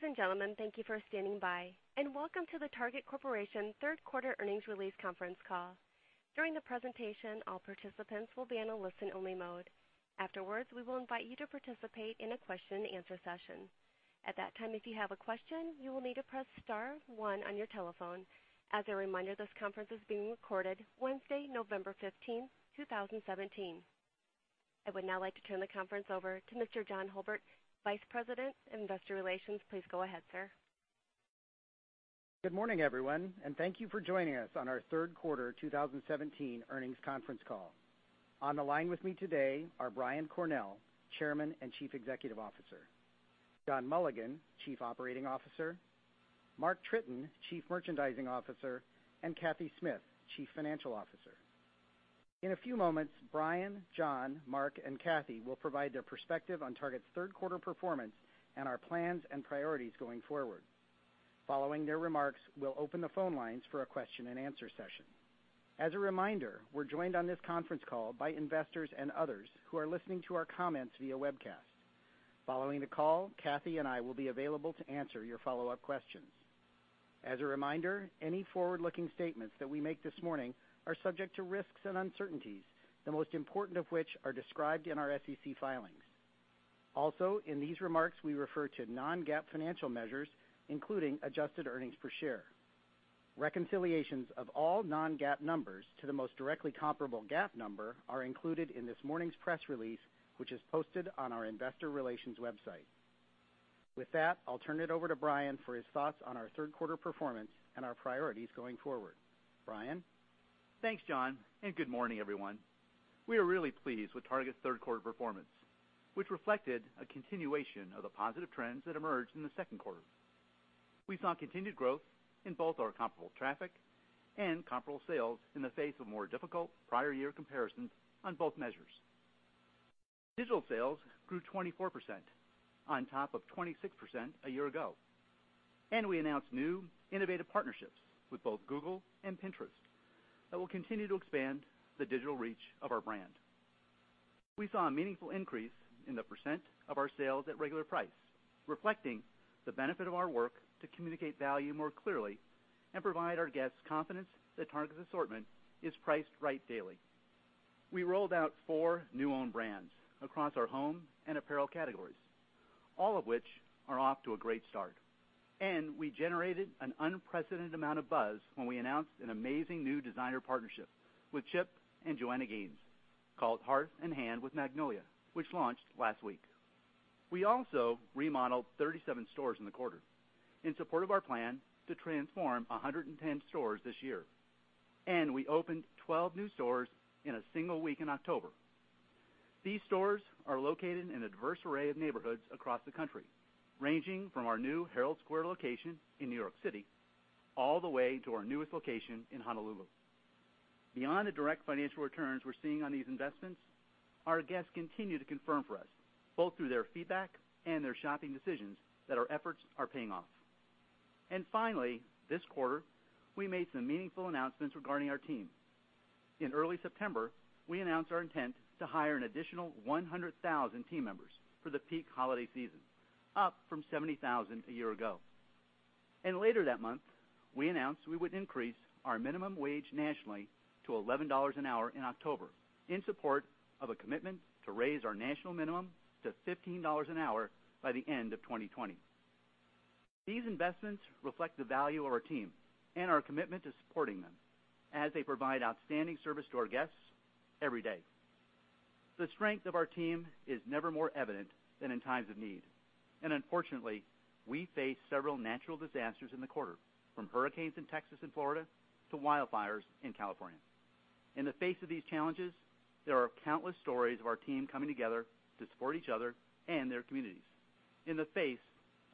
Ladies and gentlemen, thank you for standing by, and welcome to the Target Corporation third quarter earnings release conference call. During the presentation, all participants will be on a listen-only mode. Afterwards, we will invite you to participate in a question and answer session. At that time, if you have a question, you will need to press star one on your telephone. As a reminder, this conference is being recorded Wednesday, November 15th, 2017. I would now like to turn the conference over to Mr. John Hulbert, Vice President of Investor Relations. Please go ahead, sir. Good morning, everyone, and thank you for joining us on our third quarter 2017 earnings conference call. On the line with me today are Brian Cornell, Chairman and Chief Executive Officer, John Mulligan, Chief Operating Officer, Mark Tritton, Chief Merchandising Officer, and Cathy Smith, Chief Financial Officer. In a few moments, Brian, John, Mark, and Cathy will provide their perspective on Target's third quarter performance and our plans and priorities going forward. Following their remarks, we'll open the phone lines for a question and answer session. As a reminder, we're joined on this conference call by investors and others who are listening to our comments via webcast. Following the call, Cathy and I will be available to answer your follow-up questions. As a reminder, any forward-looking statements that we make this morning are subject to risks and uncertainties, the most important of which are described in our SEC filings. Also, in these remarks, we refer to non-GAAP financial measures, including adjusted earnings per share. Reconciliations of all non-GAAP numbers to the most directly comparable GAAP number are included in this morning's press release, which is posted on our investor relations website. With that, I'll turn it over to Brian for his thoughts on our third quarter performance and our priorities going forward. Brian? Thanks, John, and good morning, everyone. We are really pleased with Target's third quarter performance, which reflected a continuation of the positive trends that emerged in the second quarter. We saw continued growth in both our comparable traffic and comparable sales in the face of more difficult prior year comparisons on both measures. Digital sales grew 24% on top of 26% a year ago. We announced new innovative partnerships with both Google and Pinterest that will continue to expand the digital reach of our brand. We saw a meaningful increase in the percent of our sales at regular price, reflecting the benefit of our work to communicate value more clearly and provide our guests confidence that Target's assortment is priced right daily. We rolled out four new own brands across our home and apparel categories, all of which are off to a great start. We generated an unprecedented amount of buzz when we announced an amazing new designer partnership with Chip and Joanna Gaines called Hearth & Hand with Magnolia, which launched last week. We also remodeled 37 stores in the quarter in support of our plan to transform 110 stores this year. We opened 12 new stores in a single week in October. These stores are located in a diverse array of neighborhoods across the country, ranging from our new Herald Square location in New York City, all the way to our newest location in Honolulu. Beyond the direct financial returns we're seeing on these investments, our guests continue to confirm for us, both through their feedback and their shopping decisions, that our efforts are paying off. Finally, this quarter, we made some meaningful announcements regarding our team. In early September, we announced our intent to hire an additional 100,000 team members for the peak holiday season, up from 70,000 a year ago. Later that month, we announced we would increase our minimum wage nationally to $11 an hour in October in support of a commitment to raise our national minimum to $15 an hour by the end of 2020. These investments reflect the value of our team and our commitment to supporting them as they provide outstanding service to our guests every day. The strength of our team is never more evident than in times of need. Unfortunately, we faced several natural disasters in the quarter, from hurricanes in Texas and Florida to wildfires in California. In the face of these challenges, there are countless stories of our team coming together to support each other and their communities in the face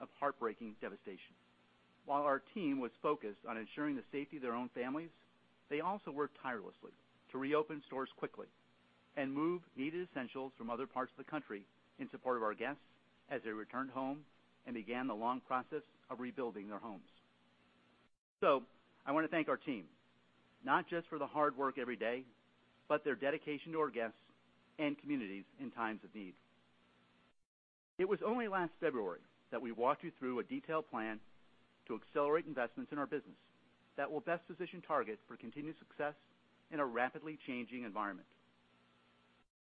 of heartbreaking devastation. While our team was focused on ensuring the safety of their own families, they also worked tirelessly to reopen stores quickly and move needed essentials from other parts of the country in support of our guests as they returned home and began the long process of rebuilding their homes. I want to thank our team, not just for the hard work every day, but their dedication to our guests and communities in times of need. It was only last February that we walked you through a detailed plan to accelerate investments in our business that will best position Target for continued success in a rapidly changing environment.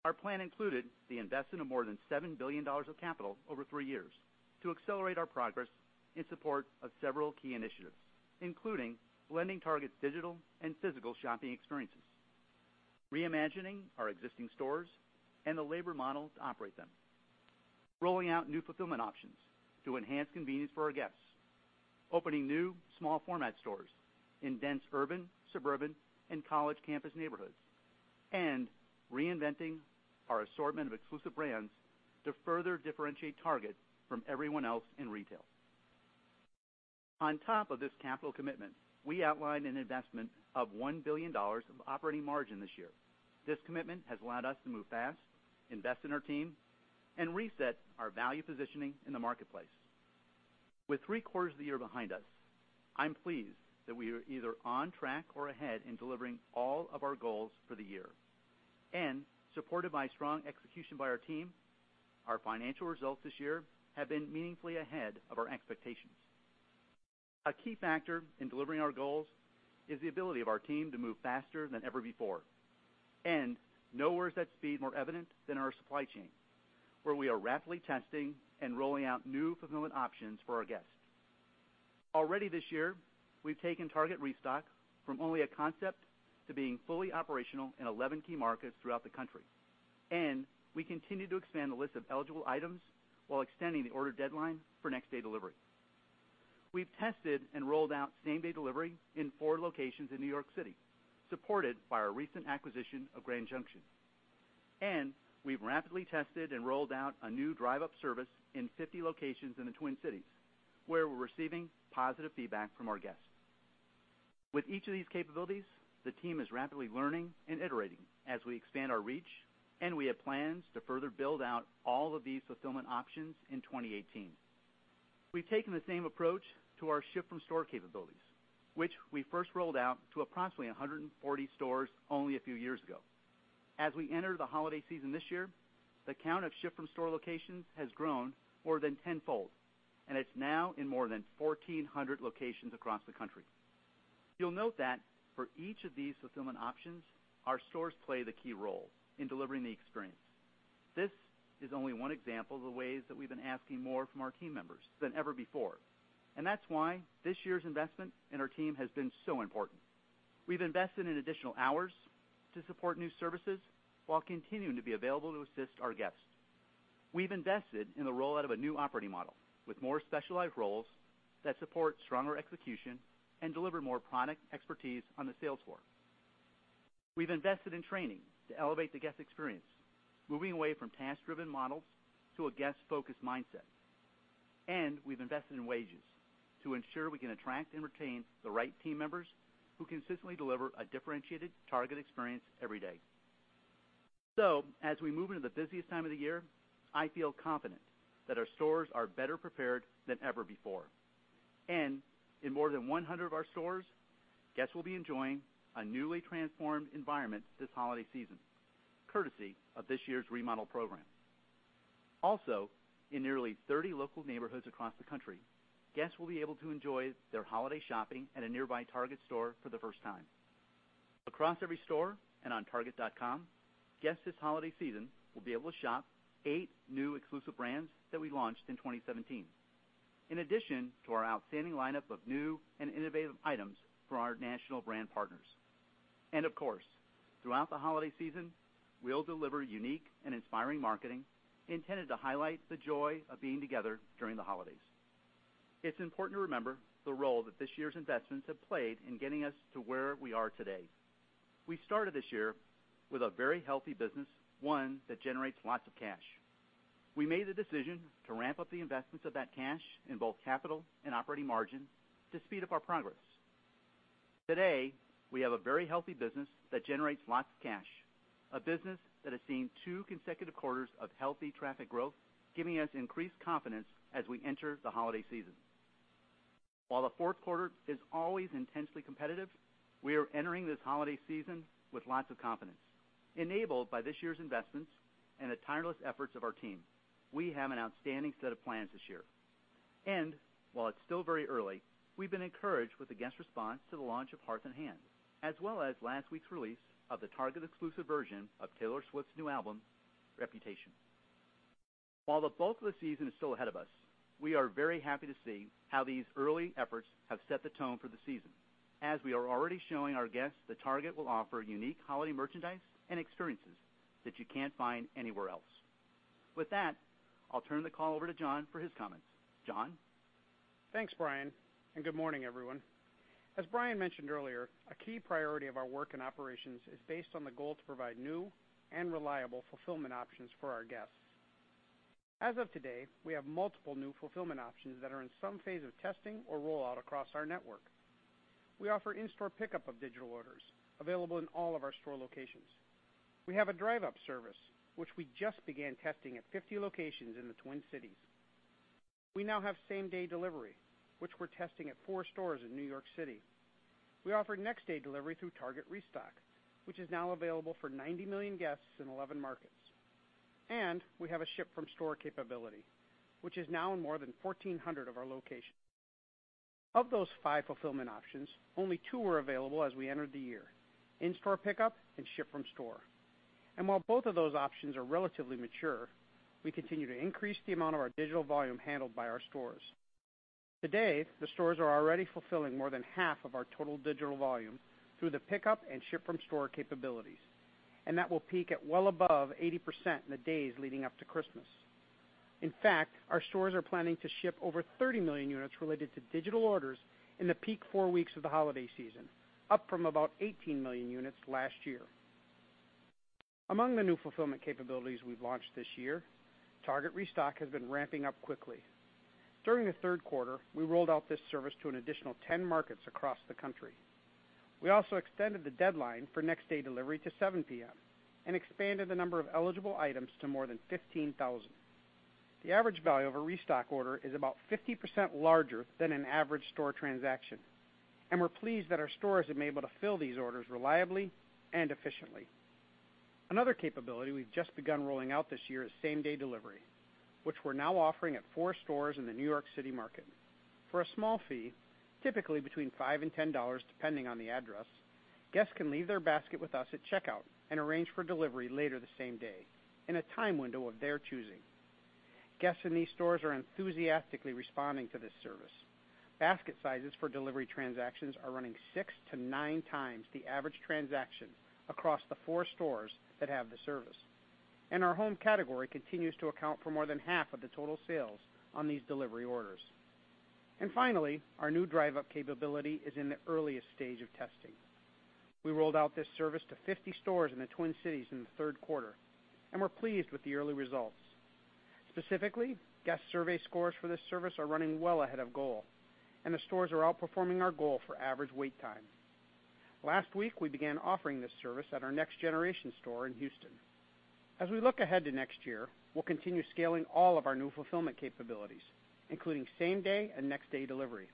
Our plan included the investment of more than $7 billion of capital over three years to accelerate our progress in support of several key initiatives, including blending Target's digital and physical shopping experiences, reimagining our existing stores and the labor model to operate them, rolling out new fulfillment options to enhance convenience for our guests, opening new small format stores in dense urban, suburban, and college campus neighborhoods, and reinventing our assortment of exclusive brands to further differentiate Target from everyone else in retail. On top of this capital commitment, we outlined an investment of $1 billion of operating margin this year. This commitment has allowed us to move fast, invest in our team, and reset our value positioning in the marketplace. With three quarters of the year behind us, I'm pleased that we are either on track or ahead in delivering all of our goals for the year. Supported by strong execution by our team, our financial results this year have been meaningfully ahead of our expectations. A key factor in delivering our goals is the ability of our team to move faster than ever before. Nowhere is that speed more evident than in our supply chain, where we are rapidly testing and rolling out new fulfillment options for our guests. Already this year, we've taken Target Restock from only a concept to being fully operational in 11 key markets throughout the country. We continue to expand the list of eligible items while extending the order deadline for next-day delivery. We've tested and rolled out same-day delivery in four locations in New York City, supported by our recent acquisition of Grand Junction. We've rapidly tested and rolled out a new drive-up service in 50 locations in the Twin Cities, where we're receiving positive feedback from our guests. With each of these capabilities, the team is rapidly learning and iterating as we expand our reach, and we have plans to further build out all of these fulfillment options in 2018. We've taken the same approach to our ship-from-store capabilities, which we first rolled out to approximately 140 stores only a few years ago. As we enter the holiday season this year, the count of ship-from-store locations has grown more than tenfold, and it's now in more than 1,400 locations across the country. You'll note that for each of these fulfillment options, our stores play the key role in delivering the experience. This is only one example of the ways that we've been asking more from our team members than ever before, and that's why this year's investment in our team has been so important. We've invested in additional hours to support new services while continuing to be available to assist our guests. We've invested in the rollout of a new operating model with more specialized roles that support stronger execution and deliver more product expertise on the sales floor. We've invested in training to elevate the guest experience, moving away from task-driven models to a guest-focused mindset. We've invested in wages to ensure we can attract and retain the right team members who consistently deliver a differentiated Target experience every day. As we move into the busiest time of the year, I feel confident that our stores are better prepared than ever before. In more than 100 of our stores, guests will be enjoying a newly transformed environment this holiday season, courtesy of this year's remodel program. Also, in nearly 30 local neighborhoods across the country, guests will be able to enjoy their holiday shopping at a nearby Target store for the first time. Across every store and on target.com, guests this holiday season will be able to shop eight new exclusive brands that we launched in 2017. In addition to our outstanding lineup of new and innovative items from our national brand partners. Of course, throughout the holiday season, we'll deliver unique and inspiring marketing intended to highlight the joy of being together during the holidays. It's important to remember the role that this year's investments have played in getting us to where we are today. We started this year with a very healthy business, one that generates lots of cash. We made the decision to ramp up the investments of that cash in both capital and operating margin to speed up our progress. Today, we have a very healthy business that generates lots of cash, a business that has seen two consecutive quarters of healthy traffic growth, giving us increased confidence as we enter the holiday season. While the fourth quarter is always intensely competitive, we are entering this holiday season with lots of confidence. Enabled by this year's investments and the tireless efforts of our team, we have an outstanding set of plans this year. While it's still very early, we've been encouraged with the guest response to the launch of Hearth & Hand, as well as last week's release of the Target-exclusive version of Taylor Swift's new album, "reputation." While the bulk of the season is still ahead of us, we are very happy to see how these early efforts have set the tone for the season, as we are already showing our guests that Target will offer unique holiday merchandise and experiences that you can't find anywhere else. With that, I'll turn the call over to John for his comments. John? Thanks, Brian. Good morning, everyone. As Brian mentioned earlier, a key priority of our work in operations is based on the goal to provide new and reliable fulfillment options for our guests. As of today, we have multiple new fulfillment options that are in some phase of testing or rollout across our network. We offer in-store pickup of digital orders, available in all of our store locations. We have a drive-up service, which we just began testing at 50 locations in the Twin Cities. We now have same-day delivery, which we're testing at four stores in New York City. We offer next-day delivery through Target Restock, which is now available for 90 million guests in 11 markets. We have a ship-from-store capability, which is now in more than 1,400 of our locations. Of those five fulfillment options, only two were available as we entered the year: in-store pickup and ship-from-store. While both of those options are relatively mature, we continue to increase the amount of our digital volume handled by our stores. Today, the stores are already fulfilling more than half of our total digital volume through the pickup and ship-from-store capabilities, and that will peak at well above 80% in the days leading up to Christmas. In fact, our stores are planning to ship over 30 million units related to digital orders in the peak four weeks of the holiday season, up from about 18 million units last year. Among the new fulfillment capabilities we've launched this year, Target Restock has been ramping up quickly. During the third quarter, we rolled out this service to an additional 10 markets across the country. We also extended the deadline for next-day delivery to 7:00 P.M. and expanded the number of eligible items to more than 15,000. The average value of a Restock order is about 50% larger than an average store transaction, and we're pleased that our stores have been able to fill these orders reliably and efficiently. Another capability we've just begun rolling out this year is same-day delivery, which we're now offering at four stores in the New York City market. For a small fee, typically between five and $10 depending on the address, guests can leave their basket with us at checkout and arrange for delivery later the same day in a time window of their choosing. Guests in these stores are enthusiastically responding to this service. Basket sizes for delivery transactions are running six to nine times the average transaction across the four stores that have the service. Our home category continues to account for more than half of the total sales on these delivery orders. Finally, our new drive-up capability is in the earliest stage of testing. We rolled out this service to 50 stores in the Twin Cities in the third quarter, and we're pleased with the early results. Specifically, guest survey scores for this service are running well ahead of goal, and the stores are outperforming our goal for average wait time. Last week, we began offering this service at our next-generation store in Houston. We look ahead to next year, we'll continue scaling all of our new fulfillment capabilities, including same-day and next-day delivery.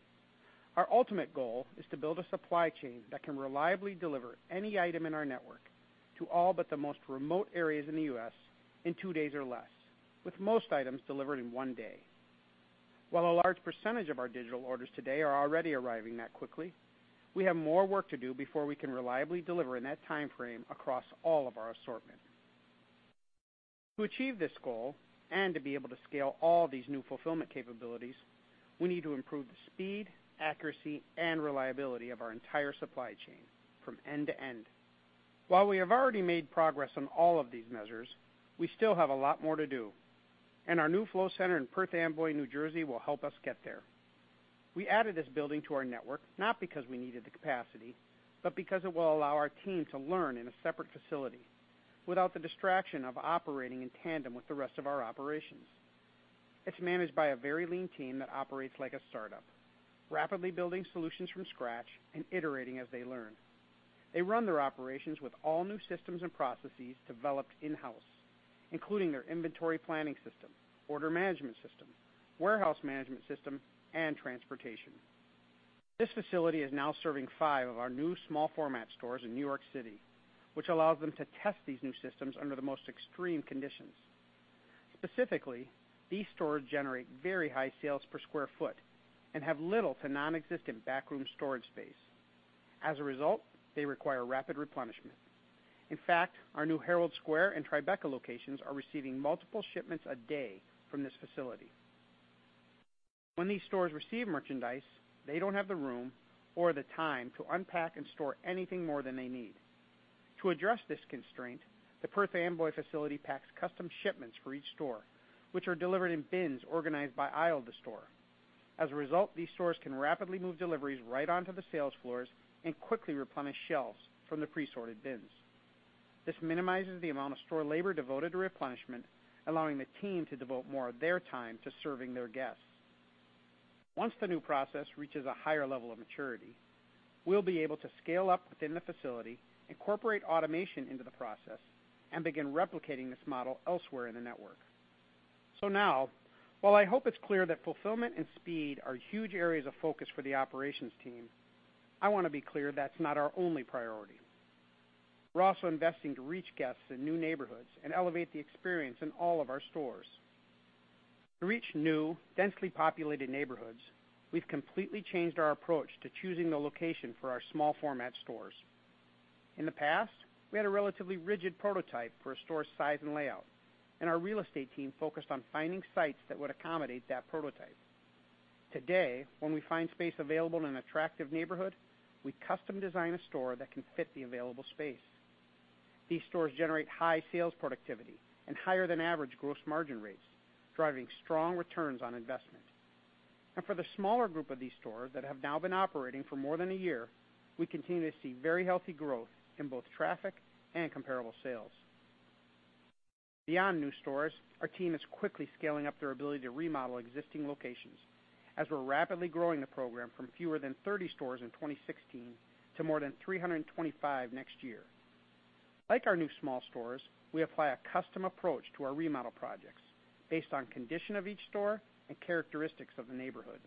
Our ultimate goal is to build a supply chain that can reliably deliver any item in our network to all but the most remote areas in the U.S. in two days or less, with most items delivered in one day. While a large percentage of our digital orders today are already arriving that quickly, we have more work to do before we can reliably deliver in that time frame across all of our assortment. To achieve this goal and to be able to scale all these new fulfillment capabilities, we need to improve the speed, accuracy, and reliability of our entire supply chain from end to end. While we have already made progress on all of these measures, we still have a lot more to do, and our new flow center in Perth Amboy, New Jersey will help us get there. We added this building to our network not because we needed the capacity, but because it will allow our team to learn in a separate facility without the distraction of operating in tandem with the rest of our operations. It's managed by a very lean team that operates like a startup, rapidly building solutions from scratch and iterating as they learn. They run their operations with all new systems and processes developed in-house, including their inventory planning system, order management system, warehouse management system, and transportation. This facility is now serving five of our new small-format stores in New York City, which allows them to test these new systems under the most extreme conditions. Specifically, these stores generate very high sales per square foot and have little to nonexistent backroom storage space. A result, they require rapid replenishment. In fact, our new Herald Square and Tribeca locations are receiving multiple shipments a day from this facility. When these stores receive merchandise, they don't have the room or the time to unpack and store anything more than they need. To address this constraint, the Perth Amboy facility packs custom shipments for each store, which are delivered in bins organized by aisle of the store. As a result, these stores can rapidly move deliveries right onto the sales floors and quickly replenish shelves from the presorted bins. This minimizes the amount of store labor devoted to replenishment, allowing the team to devote more of their time to serving their guests. Once the new process reaches a higher level of maturity, we'll be able to scale up within the facility, incorporate automation into the process, and begin replicating this model elsewhere in the network. Now, while I hope it's clear that fulfillment and speed are huge areas of focus for the operations team, I want to be clear that's not our only priority. We're also investing to reach guests in new neighborhoods and elevate the experience in all of our stores. To reach new densely populated neighborhoods, we've completely changed our approach to choosing the location for our small-format stores. In the past, we had a relatively rigid prototype for a store's size and layout, and our real estate team focused on finding sites that would accommodate that prototype. Today, when we find space available in an attractive neighborhood, we custom design a store that can fit the available space. These stores generate high sales productivity and higher than average gross margin rates, driving strong returns on investment. For the smaller group of these stores that have now been operating for more than a year, we continue to see very healthy growth in both traffic and comparable sales. Beyond new stores, our team is quickly scaling up their ability to remodel existing locations as we're rapidly growing the program from fewer than 30 stores in 2016 to more than 325 next year. Like our new small stores, we apply a custom approach to our remodel projects based on condition of each store and characteristics of the neighborhood.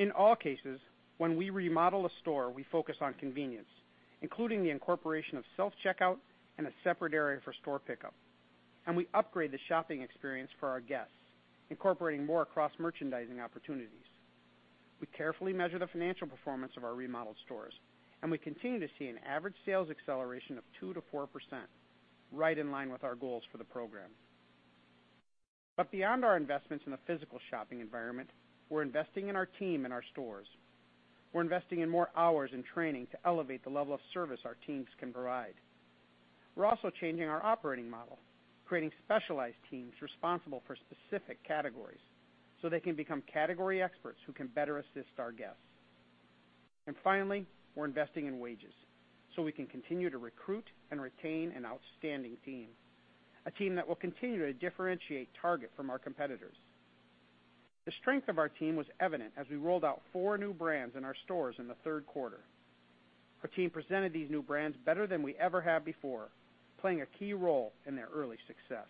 In all cases, when we remodel a store, we focus on convenience, including the incorporation of self-checkout and a separate area for store pickup. We upgrade the shopping experience for our guests, incorporating more cross-merchandising opportunities. We carefully measure the financial performance of our remodeled stores. We continue to see an average sales acceleration of 2%-4%, right in line with our goals for the program. Beyond our investments in the physical shopping environment, we're investing in our team and our stores. We're investing in more hours in training to elevate the level of service our teams can provide. We're also changing our operating model, creating specialized teams responsible for specific categories so they can become category experts who can better assist our guests. Finally, we're investing in wages so we can continue to recruit and retain an outstanding team, a team that will continue to differentiate Target from our competitors. The strength of our team was evident as we rolled out four new brands in our stores in the third quarter. Our team presented these new brands better than we ever have before, playing a key role in their early success.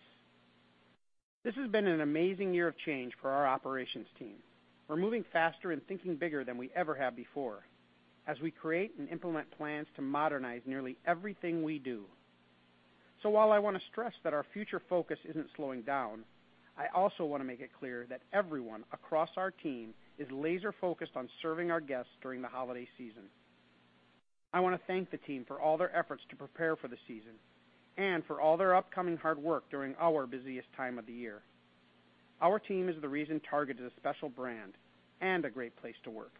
This has been an amazing year of change for our operations team. We're moving faster and thinking bigger than we ever have before, as we create and implement plans to modernize nearly everything we do. While I want to stress that our future focus isn't slowing down, I also want to make it clear that everyone across our team is laser focused on serving our guests during the holiday season. I want to thank the team for all their efforts to prepare for the season and for all their upcoming hard work during our busiest time of the year. Our team is the reason Target is a special brand and a great place to work.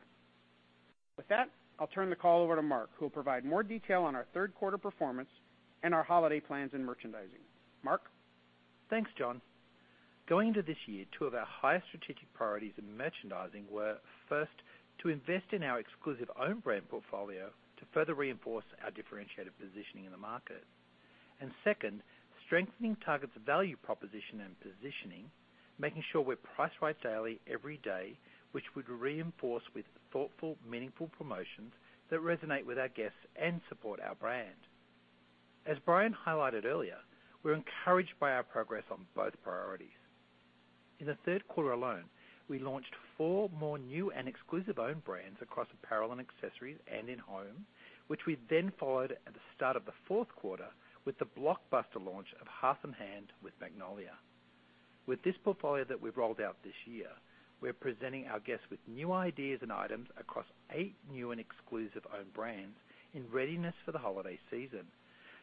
With that, I'll turn the call over to Mark, who will provide more detail on our third quarter performance and our holiday plans and merchandising. Mark? Thanks, John. Going into this year, two of our highest strategic priorities in merchandising were, first, to invest in our exclusive own brand portfolio to further reinforce our differentiated positioning in the market. Second, strengthening Target's value proposition and positioning, making sure we're priced right daily, every day, which we'd reinforce with thoughtful, meaningful promotions that resonate with our guests and support our brand. As Brian highlighted earlier, we're encouraged by our progress on both priorities. In the third quarter alone, we launched four more new and exclusive own brands across apparel and accessories and in-home, which we then followed at the start of the fourth quarter with the blockbuster launch of Hearth & Hand with Magnolia. With this portfolio that we've rolled out this year, we're presenting our guests with new ideas and items across eight new and exclusive own brands in readiness for the holiday season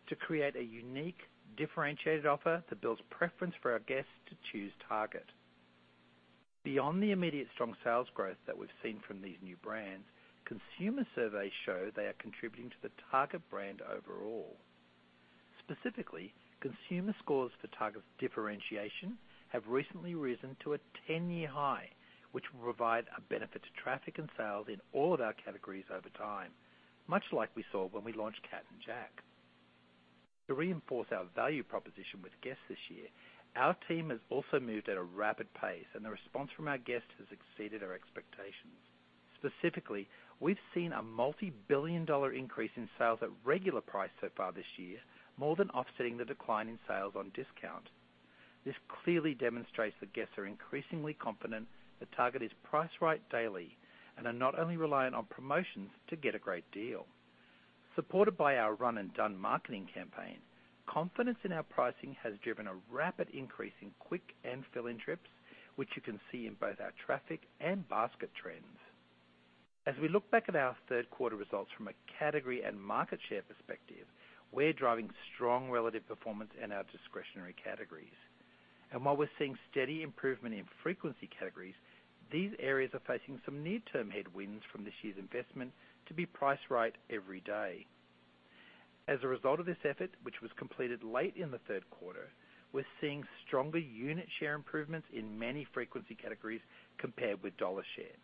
to create a unique, differentiated offer that builds preference for our guests to choose Target. Beyond the immediate strong sales growth that we've seen from these new brands, consumer surveys show they are contributing to the Target brand overall. Specifically, consumer scores for Target's differentiation have recently risen to a 10-year high, which will provide a benefit to traffic and sales in all of our categories over time, much like we saw when we launched Cat & Jack. To reinforce our value proposition with guests this year, our team has also moved at a rapid pace, and the response from our guests has exceeded our expectations. Specifically, we've seen a multibillion-dollar increase in sales at regular price so far this year, more than offsetting the decline in sales on discount. This clearly demonstrates that guests are increasingly confident that Target is priced right daily and are not only reliant on promotions to get a great deal. Supported by our Run & Done marketing campaign, confidence in our pricing has driven a rapid increase in quick and fill-in trips, which you can see in both our traffic and basket trends. As we look back at our third quarter results from a category and market share perspective, we're driving strong relative performance in our discretionary categories. While we're seeing steady improvement in frequency categories, these areas are facing some near-term headwinds from this year's investment to be priced right every day. As a result of this effort, which was completed late in the third quarter, we're seeing stronger unit share improvements in many frequency categories compared with dollar share.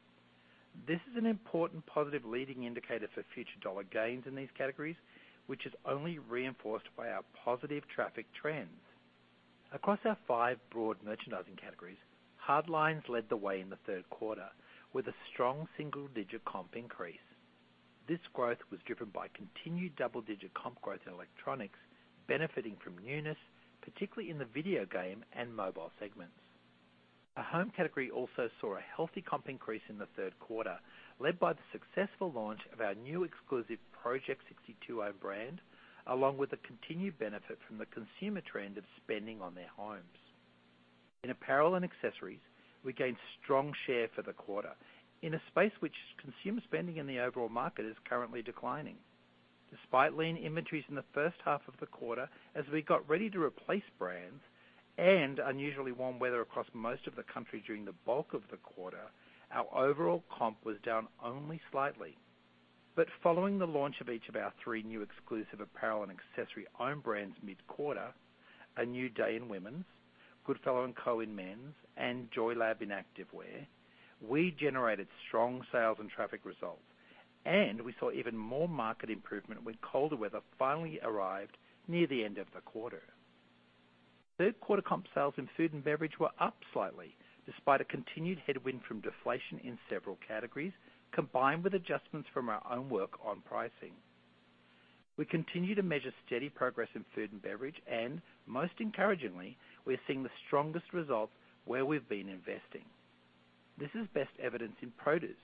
This is an important positive leading indicator for future dollar gains in these categories, which is only reinforced by our positive traffic trends. Across our five broad merchandising categories, hard lines led the way in the third quarter with a strong single-digit comp increase. This growth was driven by continued double-digit comp growth in electronics, benefiting from newness, particularly in the video game and mobile segments. Our home category also saw a healthy comp increase in the third quarter, led by the successful launch of our new exclusive Project 62 own brand, along with the continued benefit from the consumer trend of spending on their homes. In apparel and accessories, we gained strong share for the quarter in a space which consumer spending in the overall market is currently declining. Despite lean inventories in the first half of the quarter, as we got ready to replace brands and unusually warm weather across most of the country during the bulk of the quarter, our overall comp was down only slightly. Following the launch of each of our three new exclusive apparel and accessory own brands mid-quarter, A New Day in women's, Goodfellow & Co. in men's, and JoyLab in active wear, we generated strong sales and traffic results, and we saw even more market improvement when colder weather finally arrived near the end of the quarter. Third quarter comp sales in food and beverage were up slightly, despite a continued headwind from deflation in several categories, combined with adjustments from our own work on pricing. We continue to measure steady progress in food and beverage, most encouragingly, we're seeing the strongest results where we've been investing. This is best evidenced in produce,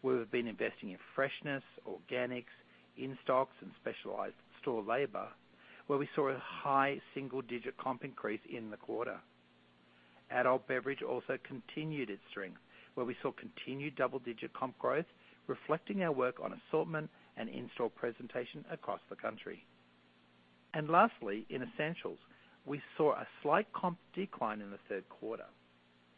where we've been investing in freshness, organics, in-stocks, and specialized store labor, where we saw a high single-digit comp increase in the quarter. Adult beverage also continued its strength, where we saw continued double-digit comp growth, reflecting our work on assortment and in-store presentation across the country. Lastly, in essentials, we saw a slight comp decline in the third quarter.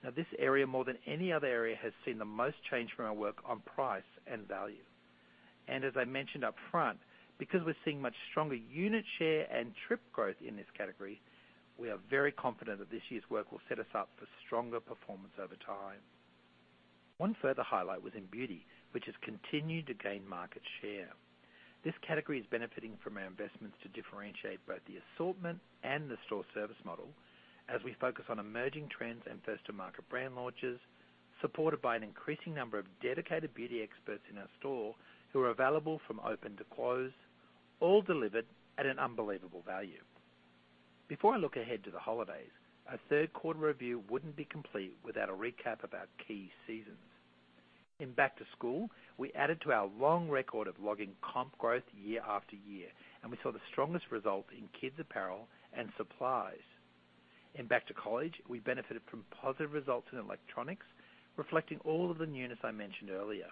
Now, this area, more than any other area, has seen the most change from our work on price and value. As I mentioned up front, because we're seeing much stronger unit share and trip growth in this category, we are very confident that this year's work will set us up for stronger performance over time. One further highlight was in beauty, which has continued to gain market share. This category is benefiting from our investments to differentiate both the assortment and the store service model, as we focus on emerging trends and first-to-market brand launches, supported by an increasing number of dedicated beauty experts in our store who are available from open to close, all delivered at an unbelievable value. Before I look ahead to the holidays, our third quarter review wouldn't be complete without a recap of our key seasons. In back to school, we added to our long record of logging comp growth year after year, and we saw the strongest result in kids apparel and supplies. In back to college, we benefited from positive results in electronics, reflecting all of the newness I mentioned earlier.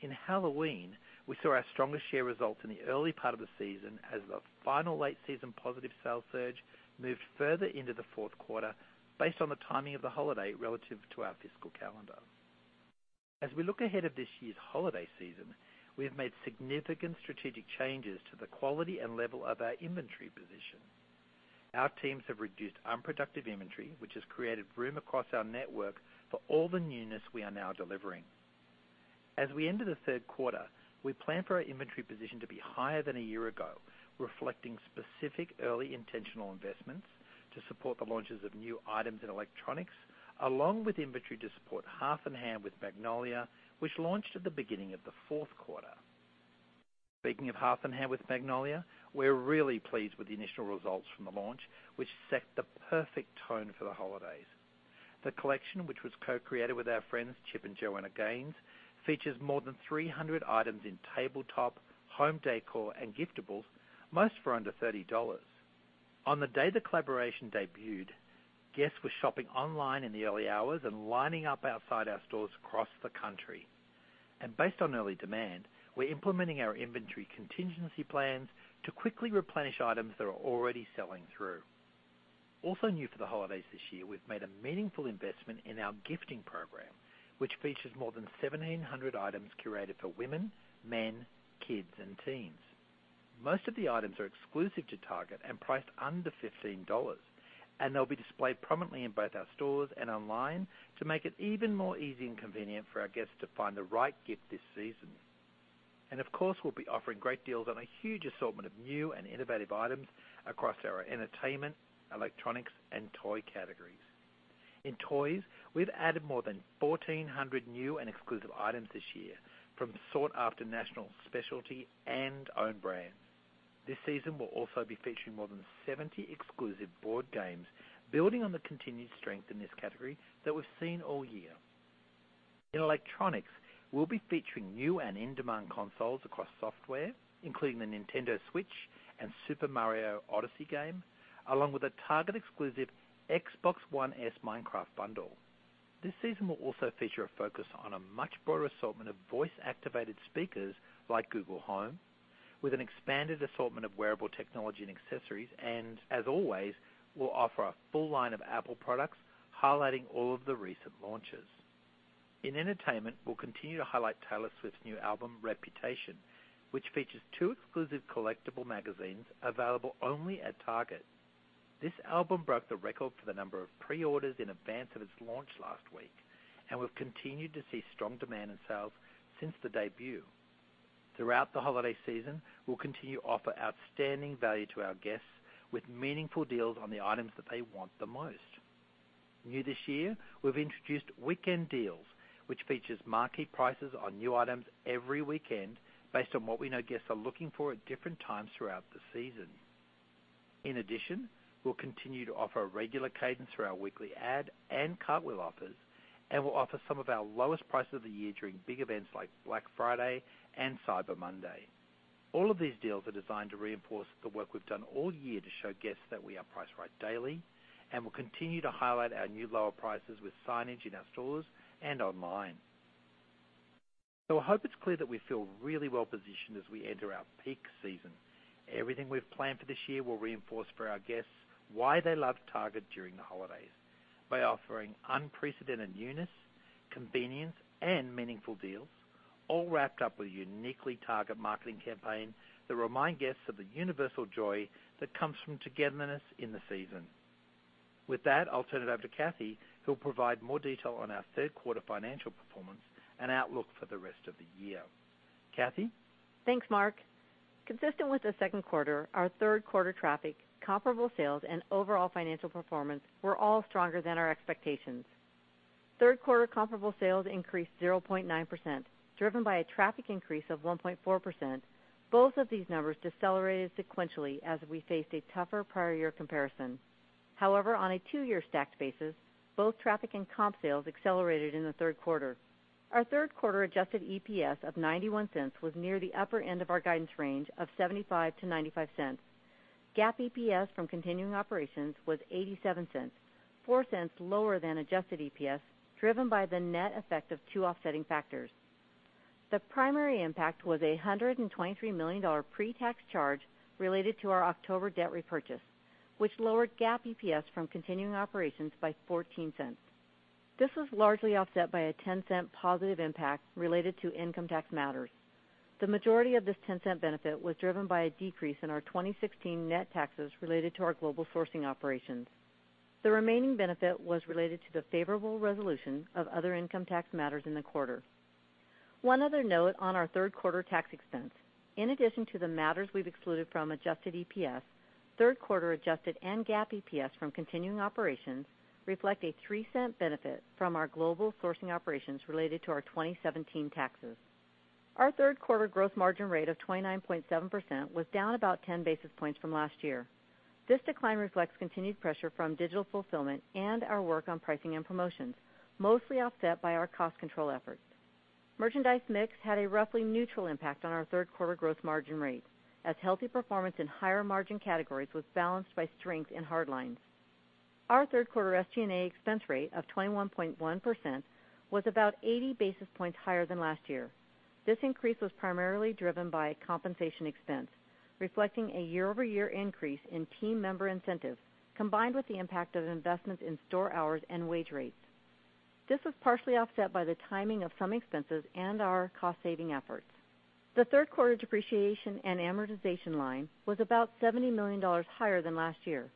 In Halloween, we saw our strongest share results in the early part of the season as the final late season positive sales surge moved further into the fourth quarter, based on the timing of the holiday relative to our fiscal calendar. As we look ahead of this year's holiday season, we have made significant strategic changes to the quality and level of our inventory position. Our teams have reduced unproductive inventory, which has created room across our network for all the newness we are now delivering. As we enter the third quarter, we plan for our inventory position to be higher than a year ago, reflecting specific early intentional investments to support the launches of new items in electronics, along with inventory to support Hearth & Hand with Magnolia, which launched at the beginning of the fourth quarter. Speaking of Hearth & Hand with Magnolia, we're really pleased with the initial results from the launch, which set the perfect tone for the holidays. The collection, which was co-created with our friends Chip and Joanna Gaines, features more than 300 items in tabletop, home decor, and giftables, most for under $30. On the day the collaboration debuted, guests were shopping online in the early hours and lining up outside our stores across the country. Based on early demand, we're implementing our inventory contingency plans to quickly replenish items that are already selling through. Also new for the holidays this year, we've made a meaningful investment in our gifting program, which features more than 1,700 items curated for women, men, kids, and teens. Most of the items are exclusive to Target and priced under $15, and they'll be displayed prominently in both our stores and online to make it even more easy and convenient for our guests to find the right gift this season. Of course, we'll be offering great deals on a huge assortment of new and innovative items across our entertainment, electronics, and toy categories. In toys, we've added more than 1,400 new and exclusive items this year from sought-after national specialty and own brands. This season, we'll also be featuring more than 70 exclusive board games, building on the continued strength in this category that we've seen all year. In electronics, we'll be featuring new and in-demand consoles across software, including the Nintendo Switch and Super Mario Odyssey game, along with a Target-exclusive Xbox One S Minecraft bundle. This season, we'll also feature a focus on a much broader assortment of voice-activated speakers like Google Home, with an expanded assortment of wearable technology and accessories. As always, we'll offer a full line of Apple products, highlighting all of the recent launches. In entertainment, we'll continue to highlight Taylor Swift's new album, Reputation, which features two exclusive collectible magazines available only at Target. This album broke the record for the number of pre-orders in advance of its launch last week, and we've continued to see strong demand in sales since the debut. Throughout the holiday season, we'll continue to offer outstanding value to our guests with meaningful deals on the items that they want the most. New this year, we've introduced Weekend Deals, which features marquee prices on new items every weekend based on what we know guests are looking for at different times throughout the season. We'll continue to offer a regular cadence through our weekly ad and Cartwheel offers. We'll offer some of our lowest prices of the year during big events like Black Friday and Cyber Monday. All of these deals are designed to reinforce the work we've done all year to show guests that we are priced right daily. We'll continue to highlight our new lower prices with signage in our stores and online. I hope it's clear that we feel really well-positioned as we enter our peak season. Everything we've planned for this year will reinforce for our guests why they love Target during the holidays. By offering unprecedented newness, convenience, and meaningful deals, all wrapped up with a uniquely Target marketing campaign that remind guests of the universal joy that comes from togetherness in the season. With that, I'll turn it over to Cathy, who'll provide more detail on our third quarter financial performance and outlook for the rest of the year. Cathy? Thanks, Mark. Consistent with the second quarter, our third quarter traffic, comparable sales, and overall financial performance were all stronger than our expectations. Third-quarter comparable sales increased 0.9%, driven by a traffic increase of 1.4%. Both of these numbers decelerated sequentially as we faced a tougher prior year comparison. However, on a two-year stacked basis, both traffic and comp sales accelerated in the third quarter. Our third quarter adjusted EPS of $0.91 was near the upper end of our guidance range of $0.75-$0.95. GAAP EPS from continuing operations was $0.87, $0.04 lower than adjusted EPS, driven by the net effect of two offsetting factors. The primary impact was a $123 million pre-tax charge related to our October debt repurchase, which lowered GAAP EPS from continuing operations by $0.14. This was largely offset by a $0.10 positive impact related to income tax matters. The majority of this $0.10 benefit was driven by a decrease in our 2016 net taxes related to our global sourcing operations. The remaining benefit was related to the favorable resolution of other income tax matters in the quarter. One other note on our third quarter tax expense. In addition to the matters we've excluded from adjusted EPS, third quarter adjusted and GAAP EPS from continuing operations reflect a $0.03 benefit from our global sourcing operations related to our 2017 taxes. Our third quarter gross margin rate of 29.7% was down about 10 basis points from last year. This decline reflects continued pressure from digital fulfillment and our work on pricing and promotions, mostly offset by our cost control efforts. Merchandise mix had a roughly neutral impact on our third quarter gross margin rate, as healthy performance in higher margin categories was balanced by strength in hard lines. Our third quarter SG&A expense rate of 21.1% was about 80 basis points higher than last year. This increase was primarily driven by compensation expense, reflecting a year-over-year increase in team member incentives, combined with the impact of investments in store hours and wage rates. This was partially offset by the timing of some expenses and our cost-saving efforts. The third quarter depreciation and amortization line was about $70 million higher than last year.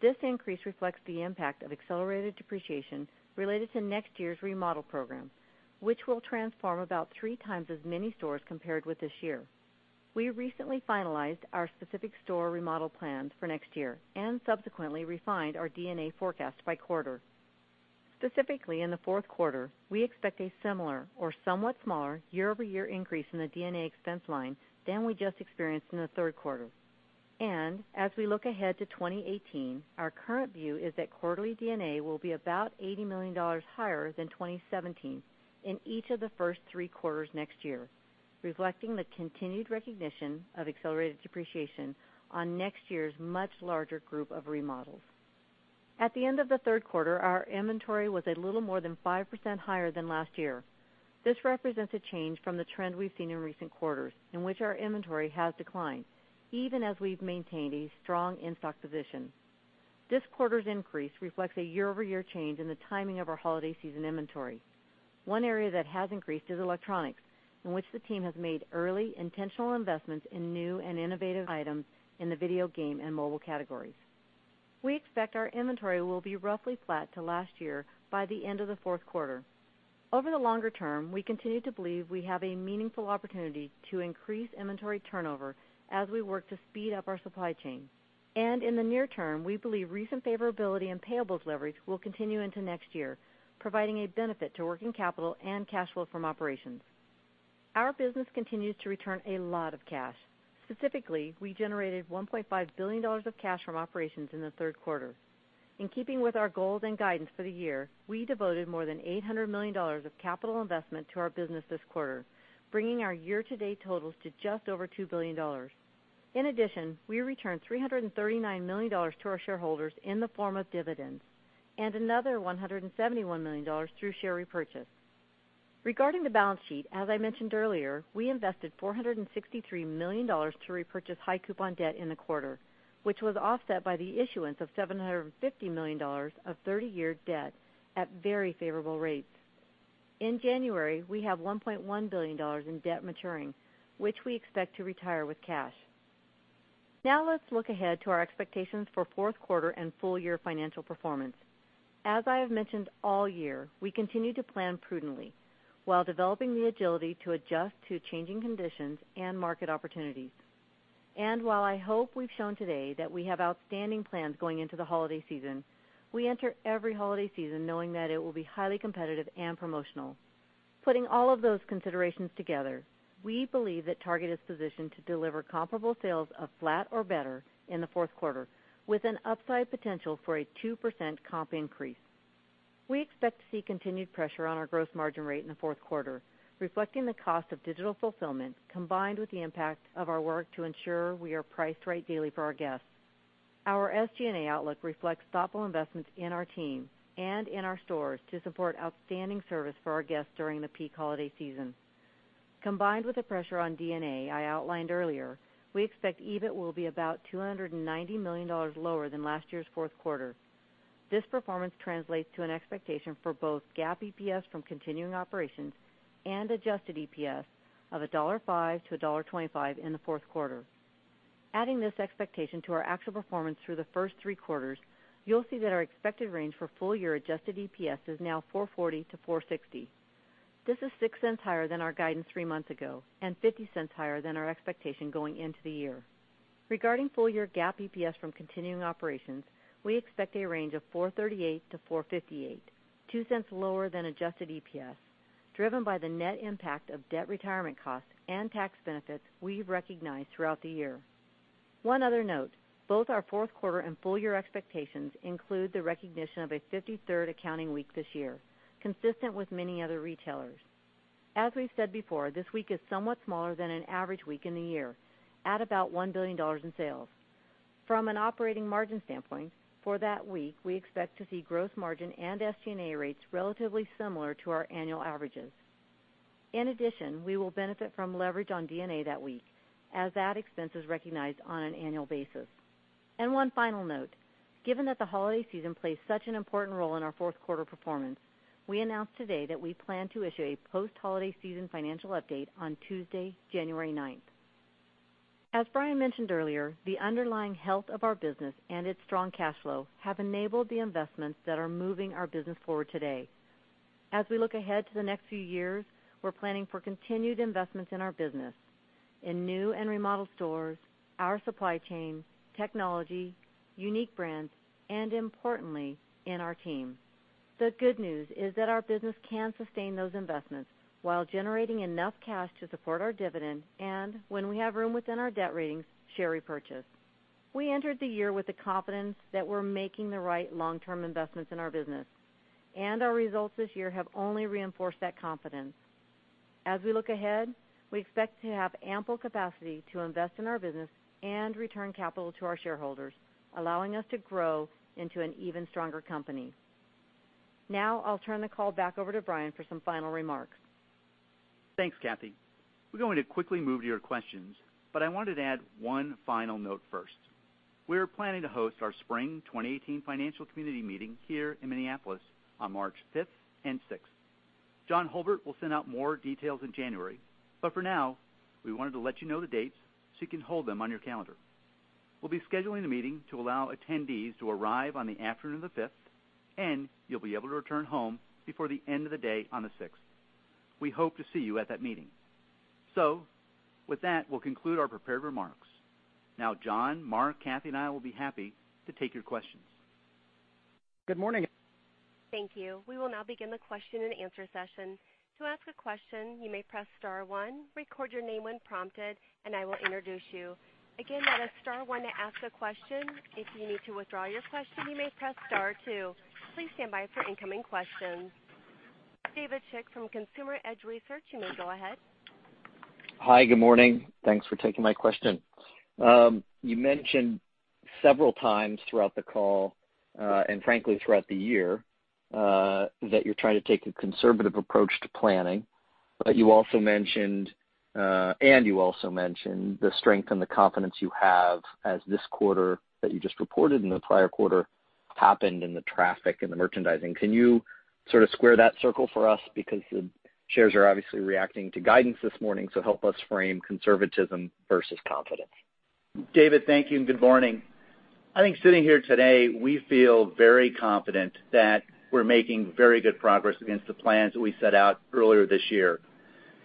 This increase reflects the impact of accelerated depreciation related to next year's remodel program, which will transform about three times as many stores compared with this year. We recently finalized our specific store remodel plans for next year and subsequently refined our D&A forecast by quarter. Specifically, in the fourth quarter, we expect a similar or somewhat smaller year-over-year increase in the D&A expense line than we just experienced in the third quarter. As we look ahead to 2018, our current view is that quarterly D&A will be about $80 million higher than 2017 in each of the first three quarters next year, reflecting the continued recognition of accelerated depreciation on next year's much larger group of remodels. At the end of the third quarter, our inventory was a little more than 5% higher than last year. This represents a change from the trend we've seen in recent quarters in which our inventory has declined, even as we've maintained a strong in-stock position. This quarter's increase reflects a year-over-year change in the timing of our holiday season inventory. One area that has increased is electronics, in which the team has made early intentional investments in new and innovative items in the video game and mobile categories. We expect our inventory will be roughly flat to last year by the end of the fourth quarter. Over the longer term, we continue to believe we have a meaningful opportunity to increase inventory turnover as we work to speed up our supply chain. In the near term, we believe recent favorability and payables leverage will continue into next year, providing a benefit to working capital and cash flow from operations. Our business continues to return a lot of cash. Specifically, we generated $1.5 billion of cash from operations in the third quarter. In keeping with our goals and guidance for the year, we devoted more than $800 million of capital investment to our business this quarter, bringing our year-to-date totals to just over $2 billion. In addition, we returned $339 million to our shareholders in the form of dividends and another $171 million through share repurchase. Regarding the balance sheet, as I mentioned earlier, we invested $463 million to repurchase high coupon debt in the quarter, which was offset by the issuance of $750 million of 30-year debt at very favorable rates. In January, we have $1.1 billion in debt maturing, which we expect to retire with cash. Now let's look ahead to our expectations for fourth quarter and full-year financial performance. As I have mentioned all year, we continue to plan prudently while developing the agility to adjust to changing conditions and market opportunities. While I hope we've shown today that we have outstanding plans going into the holiday season, we enter every holiday season knowing that it will be highly competitive and promotional. Putting all of those considerations together, we believe that Target is positioned to deliver comparable sales of flat or better in the fourth quarter, with an upside potential for a 2% comp increase. We expect to see continued pressure on our gross margin rate in the fourth quarter, reflecting the cost of digital fulfillment, combined with the impact of our work to ensure we are priced right daily for our guests. Our SG&A outlook reflects thoughtful investments in our team and in our stores to support outstanding service for our guests during the peak holiday season. Combined with the pressure on D&A I outlined earlier, we expect EBIT will be about $290 million lower than last year's fourth quarter. This performance translates to an expectation for both GAAP EPS from continuing operations and adjusted EPS of $1.05 to $1.25 in the fourth quarter. Adding this expectation to our actual performance through the first three quarters, you'll see that our expected range for full-year adjusted EPS is now $4.40 to $4.60. This is $0.06 higher than our guidance three months ago and $0.50 higher than our expectation going into the year. Regarding full-year GAAP EPS from continuing operations, we expect a range of $4.38 to $4.58, $0.02 lower than adjusted EPS, driven by the net impact of debt retirement costs and tax benefits we've recognized throughout the year. One other note, both our fourth quarter and full-year expectations include the recognition of a 53rd accounting week this year, consistent with many other retailers. As we've said before, this week is somewhat smaller than an average week in the year at about $1 billion in sales. From an operating margin standpoint, for that week, we expect to see gross margin and SG&A rates relatively similar to our annual averages. In addition, we will benefit from leverage on D&A that week as that expense is recognized on an annual basis. One final note, given that the holiday season plays such an important role in our fourth quarter performance, we announced today that we plan to issue a post-holiday season financial update on Tuesday, January ninth. As Brian mentioned earlier, the underlying health of our business and its strong cash flow have enabled the investments that are moving our business forward today. As we look ahead to the next few years, we're planning for continued investments in our business, in new and remodeled stores, our supply chain, technology, unique brands, and importantly, in our team. The good news is that our business can sustain those investments while generating enough cash to support our dividend, and when we have room within our debt ratings, share repurchase. We entered the year with the confidence that we're making the right long-term investments in our business, and our results this year have only reinforced that confidence. As we look ahead, we expect to have ample capacity to invest in our business and return capital to our shareholders, allowing us to grow into an even stronger company. I'll turn the call back over to Brian for some final remarks. Thanks, Cathy. We're going to quickly move to your questions, but I wanted to add one final note first. We are planning to host our spring 2018 financial community meeting here in Minneapolis on March fifth and sixth. John Hulbert will send out more details in January, but for now, we wanted to let you know the dates so you can hold them on your calendar. We'll be scheduling the meeting to allow attendees to arrive on the afternoon of the fifth, and you'll be able to return home before the end of the day on the sixth. We hope to see you at that meeting. With that, we'll conclude our prepared remarks. John, Mark, Cathy, and I will be happy to take your questions. Good morning. Thank you. We will now begin the question and answer session. To ask a question, you may press star one, record your name when prompted, and I will introduce you. Again, that is star one to ask a question. If you need to withdraw your question, you may press star two. Please stand by for incoming questions. David Chick from Consumer Edge Research, you may go ahead. Hi, good morning. Thanks for taking my question. You mentioned several times throughout the call, frankly, throughout the year, that you're trying to take a conservative approach to planning. You also mentioned the strength and the confidence you have as this quarter that you just reported and the prior quarter happened in the traffic and the merchandising. Can you sort of square that circle for us? Because the shares are obviously reacting to guidance this morning, so help us frame conservatism versus confidence. David, thank you and good morning. I think sitting here today, we feel very confident that we're making very good progress against the plans that we set out earlier this year.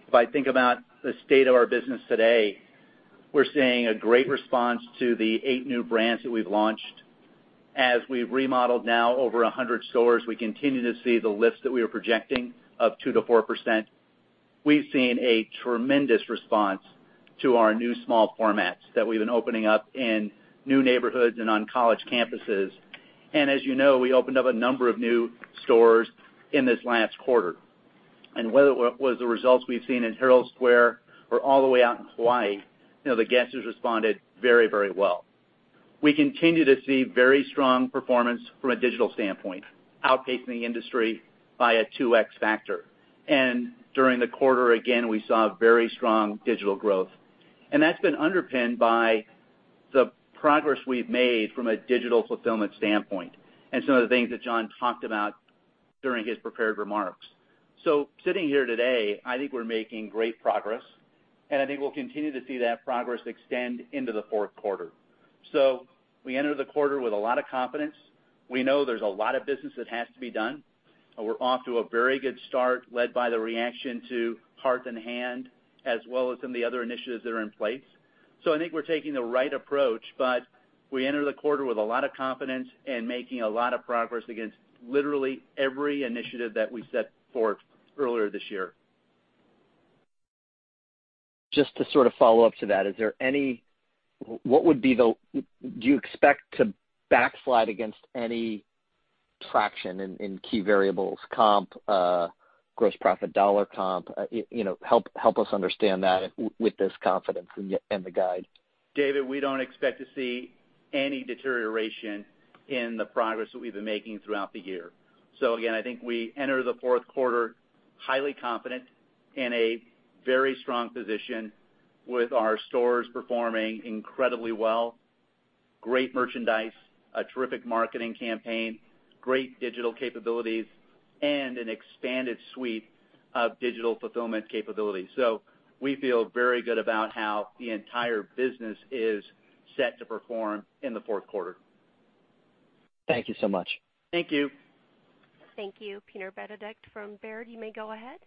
If I think about the state of our business today, we're seeing a great response to the 8 new brands that we've launched. As we've remodeled now over 100 stores, we continue to see the lift that we were projecting of 2%-4%. We've seen a tremendous response to our new small formats that we've been opening up in new neighborhoods and on college campuses. As you know, we opened up a number of new stores in this last quarter. Whether it was the results we've seen in Herald Square or all the way out in Hawaii, the guests responded very well. We continue to see very strong performance from a digital standpoint, outpacing the industry by a 2x factor. During the quarter, again, we saw very strong digital growth. That's been underpinned by the progress we've made from a digital fulfillment standpoint and some of the things that John talked about during his prepared remarks. Sitting here today, I think we're making great progress, and I think we'll continue to see that progress extend into the fourth quarter. We enter the quarter with a lot of confidence. We know there's a lot of business that has to be done. We're off to a very good start, led by the reaction to Hearth & Hand, as well as some of the other initiatives that are in place. I think we're taking the right approach, we enter the quarter with a lot of confidence and making a lot of progress against literally every initiative that we set forth earlier this year. Just to sort of follow up to that, do you expect to backslide against any traction in key variables, comp, gross profit dollar comp? Help us understand that with this confidence and the guide. David, we don't expect to see any deterioration in the progress that we've been making throughout the year. Again, I think we enter the fourth quarter highly confident in a very strong position with our stores performing incredibly well, great merchandise, a terrific marketing campaign, great digital capabilities, and an expanded suite of digital fulfillment capabilities. We feel very good about how the entire business is set to perform in the fourth quarter. Thank you so much. Thank you. Thank you. Peter Benedict from Baird, you may go ahead.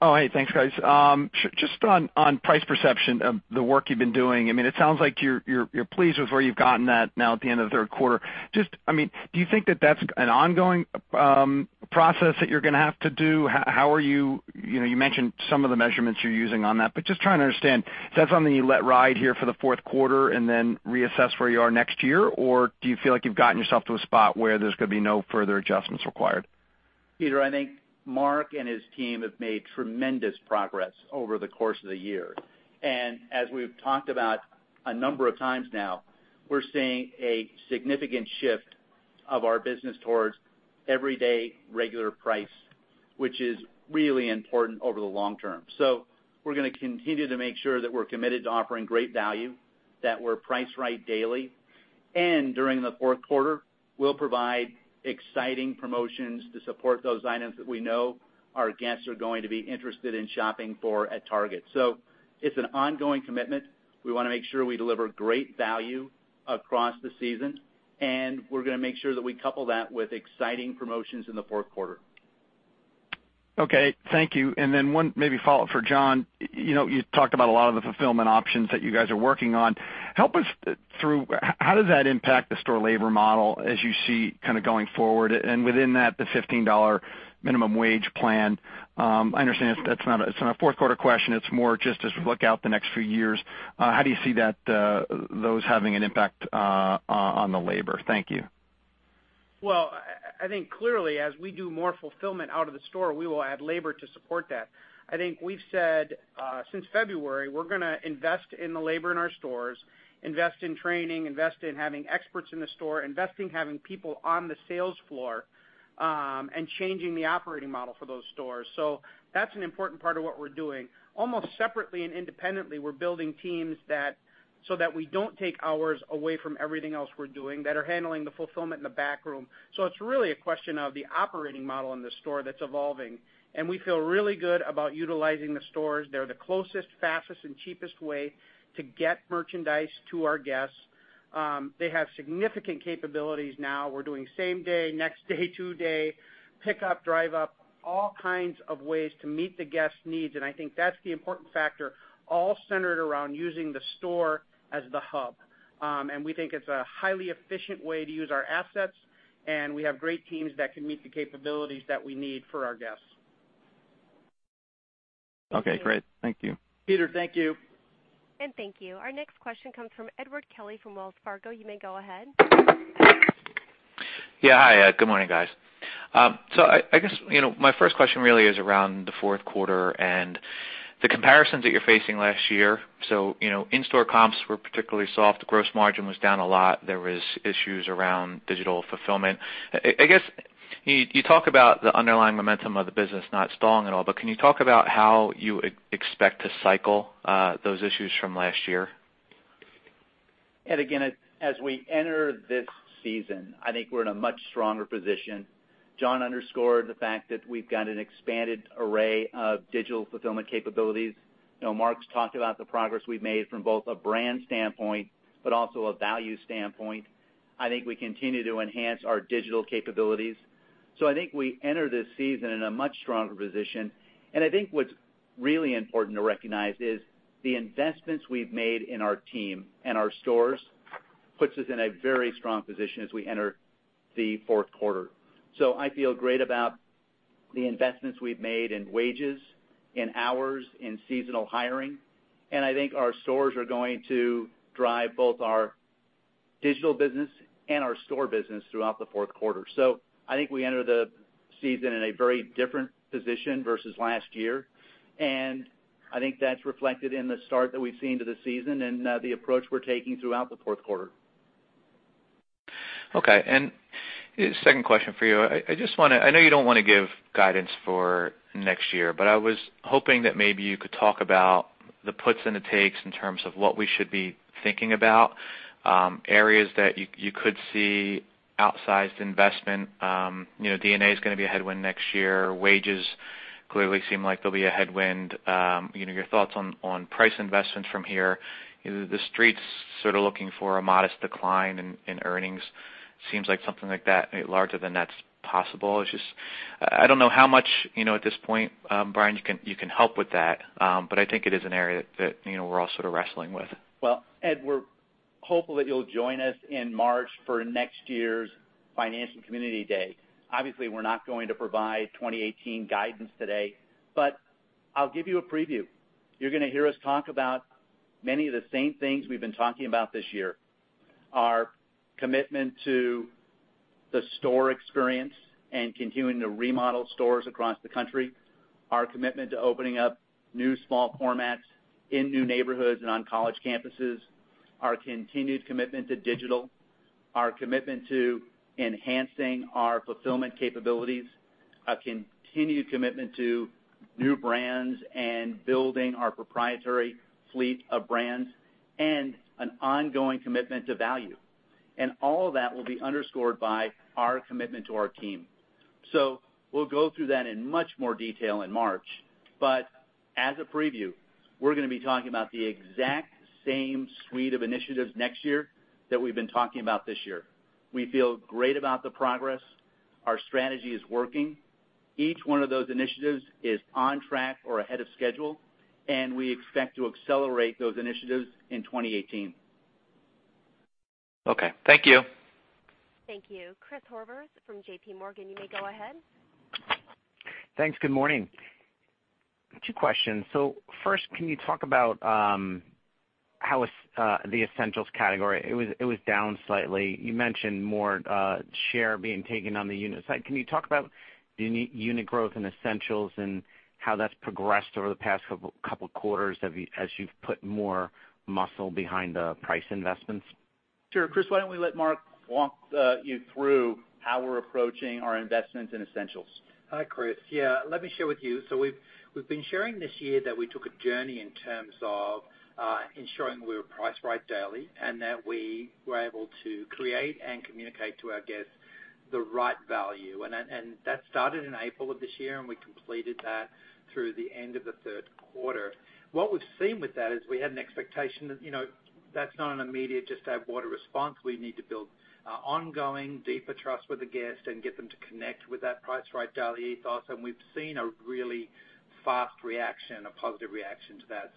Oh, hey. Thanks, guys. Just on price perception of the work you've been doing. It sounds like you're pleased with where you've gotten at now at the end of the third quarter. Just do you think that that's an ongoing process that you're going to have to do? You mentioned some of the measurements you're using on that, but just trying to understand. Is that something you let ride here for the fourth quarter and then reassess where you are next year? Or do you feel like you've gotten yourself to a spot where there's going to be no further adjustments required? Peter, I think Mark and his team have made tremendous progress over the course of the year. As we've talked about a number of times now, we're seeing a significant shift of our business towards everyday regular price. Which is really important over the long term. We're going to continue to make sure that we're committed to offering great value, that we're priced right daily. During the fourth quarter, we'll provide exciting promotions to support those items that we know our guests are going to be interested in shopping for at Target. It's an ongoing commitment. We want to make sure we deliver great value across the season, and we're going to make sure that we couple that with exciting promotions in the fourth quarter. Okay. Thank you. One maybe follow-up for John. You talked about a lot of the fulfillment options that you guys are working on. Help us through, how does that impact the store labor model as you see kind of going forward? And within that, the $15 minimum wage plan. I understand it's not a fourth quarter question, it's more just as we look out the next few years, how do you see those having an impact on the labor? Thank you. I think clearly as we do more fulfillment out of the store, we will add labor to support that. I think we've said, since February, we're going to invest in the labor in our stores, invest in training, invest in having experts in the store, invest in having people on the sales floor, and changing the operating model for those stores. That's an important part of what we're doing. Almost separately and independently, we're building teams so that we don't take hours away from everything else we're doing, that are handling the fulfillment in the back room. It's really a question of the operating model in the store that's evolving, and we feel really good about utilizing the stores. They're the closest, fastest and cheapest way to get merchandise to our guests. They have significant capabilities now. We're doing same day, next day, two day, pick up, drive up, all kinds of ways to meet the guest needs. I think that's the important factor, all centered around using the store as the hub. We think it's a highly efficient way to use our assets, and we have great teams that can meet the capabilities that we need for our guests. Okay, great. Thank you. Peter, thank you. Thank you. Our next question comes from Edward Kelly from Wells Fargo. You may go ahead. Yeah. Hi. Good morning, guys. I guess my first question really is around the fourth quarter and the comparisons that you're facing last year. In-store comps were particularly soft. Gross margin was down a lot. There was issues around digital fulfillment. I guess, you talk about the underlying momentum of the business not stalling at all, but can you talk about how you expect to cycle those issues from last year? Ed, again, as we enter this season, I think we're in a much stronger position. John underscored the fact that we've got an expanded array of digital fulfillment capabilities. Mark's talked about the progress we've made from both a brand standpoint, but also a value standpoint. I think we continue to enhance our digital capabilities. I think we enter this season in a much stronger position, and I think what's really important to recognize is the investments we've made in our team and our stores puts us in a very strong position as we enter the fourth quarter. I feel great about the investments we've made in wages, in hours, in seasonal hiring, and I think our stores are going to drive both our digital business and our store business throughout the fourth quarter. I think we enter the season in a very different position versus last year, and I think that's reflected in the start that we've seen to the season and the approach we're taking throughout the fourth quarter. Okay. Second question for you. I know you don't want to give guidance for next year, but I was hoping that maybe you could talk about the puts and the takes in terms of what we should be thinking about, areas that you could see outsized investment. D&A is going to be a headwind next year. Wages clearly seem like they'll be a headwind. Your thoughts on price investments from here. The Street's sort of looking for a modest decline in earnings. Seems like something like that, larger than that's possible. It's just, I don't know how much at this point, Brian, you can help with that. I think it is an area that we're all sort of wrestling with. Well, Ed, we're hopeful that you'll join us in March for next year's Financial Community Day. Obviously, we're not going to provide 2018 guidance today, but I'll give you a preview. You're going to hear us talk about many of the same things we've been talking about this year. Our commitment to the store experience and continuing to remodel stores across the country, our commitment to opening up new small formats in new neighborhoods and on college campuses, our continued commitment to digital, our commitment to enhancing our fulfillment capabilities, a continued commitment to new brands and building our proprietary fleet of brands, an ongoing commitment to value. All of that will be underscored by our commitment to our team. We'll go through that in much more detail in March, but as a preview, we're going to be talking about the exact same suite of initiatives next year that we've been talking about this year. We feel great about the progress. Our strategy is working. Each one of those initiatives is on track or ahead of schedule, and we expect to accelerate those initiatives in 2018. Okay. Thank you. Thank you. Chris Horvers from JPMorgan, you may go ahead. Thanks. Good morning. Two questions. First, can you talk about how the essentials category it was down slightly. You mentioned more share being taken on the unit side. Can you talk about unit growth in essentials and how that's progressed over the past couple of quarters as you've put more muscle behind the price investments? Sure, Chris, why don't we let Mark walk you through how we're approaching our investments in essentials? Hi, Chris. Yeah, let me share with you. We've been sharing this year that we took a journey in terms of ensuring we were priced right daily, and that we were able to create and communicate to our guests the right value. That started in April of this year, and we completed that through the end of the third quarter. What we've seen with that is we had an expectation that's not an immediate, just add water response. We need to build ongoing, deeper trust with the guest and get them to connect with that priced right daily ethos, we've seen a really fast reaction, a positive reaction to that.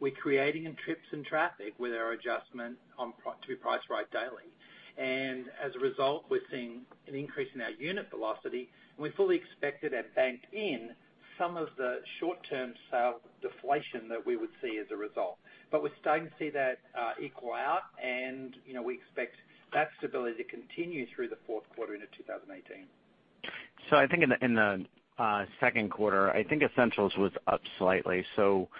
We're creating in trips and traffic with our adjustment to price right daily. As a result, we're seeing an increase in our unit velocity, and we fully expected and banked in some of the short-term sale deflation that we would see as a result. We're starting to see that equal out, and we expect that stability to continue through the fourth quarter into 2018. I think in the second quarter, I think essentials was up slightly. Was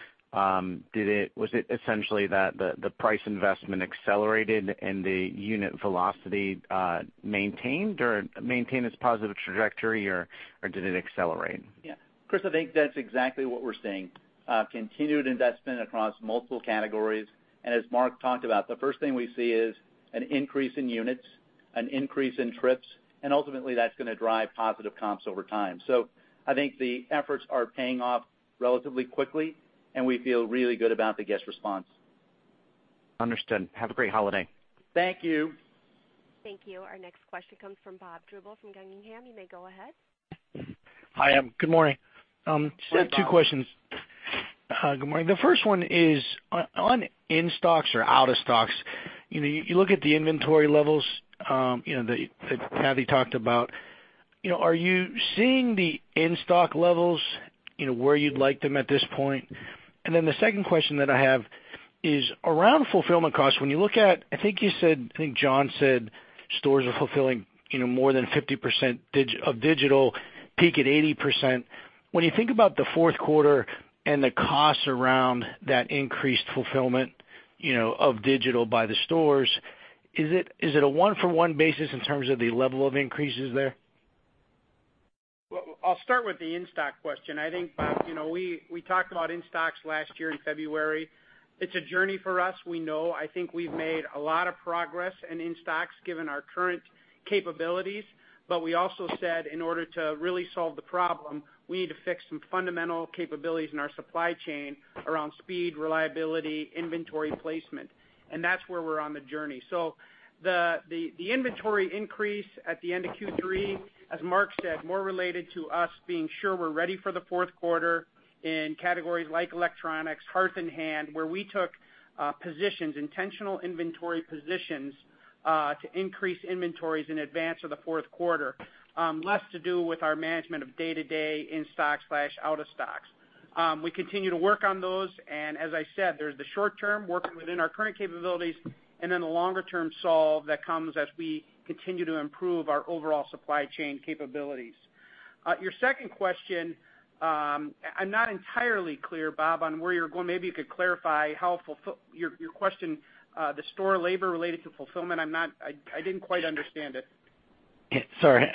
it essentially that the price investment accelerated and the unit velocity maintained its positive trajectory, or did it accelerate? Yeah. Chris, I think that's exactly what we're seeing. Continued investment across multiple categories. As Mark talked about, the first thing we see is an increase in units, an increase in trips, and ultimately, that's going to drive positive comps over time. I think the efforts are paying off relatively quickly, and we feel really good about the guest response. Understood. Have a great holiday. Thank you. Thank you. Our next question comes from Bob Drbul from Guggenheim. You may go ahead. Hi, good morning. Hi, Bob. Two questions. Good morning. The first one is on in-stocks or out-of-stocks. You look at the inventory levels that Cathy talked about. Are you seeing the in-stock levels where you'd like them at this point? The second question that I have is around fulfillment costs. When you look at, I think John said stores are fulfilling more than 50% of digital, peak at 80%. When you think about the fourth quarter and the costs around that increased fulfillment of digital by the stores, is it a one-for-one basis in terms of the level of increases there? I'll start with the in-stock question. I think, Bob, we talked about in-stocks last year in February. It's a journey for us. We know. I think we've made a lot of progress in in-stocks given our current capabilities. We also said in order to really solve the problem, we need to fix some fundamental capabilities in our supply chain around speed, reliability, inventory placement. That's where we're on the journey. The inventory increase at the end of Q3, as Mark said, more related to us being sure we're ready for the fourth quarter in categories like electronics, Hearth & Hand, where we took positions, intentional inventory positions, to increase inventories in advance of the fourth quarter. Less to do with our management of day-to-day in-stock/out-of-stocks. We continue to work on those, and as I said, there's the short term, working within our current capabilities, and then the longer term solve that comes as we continue to improve our overall supply chain capabilities. Your second question, I'm not entirely clear, Bob, on where you're going. Maybe you could clarify your question the store labor related to fulfillment. I didn't quite understand it. Sorry.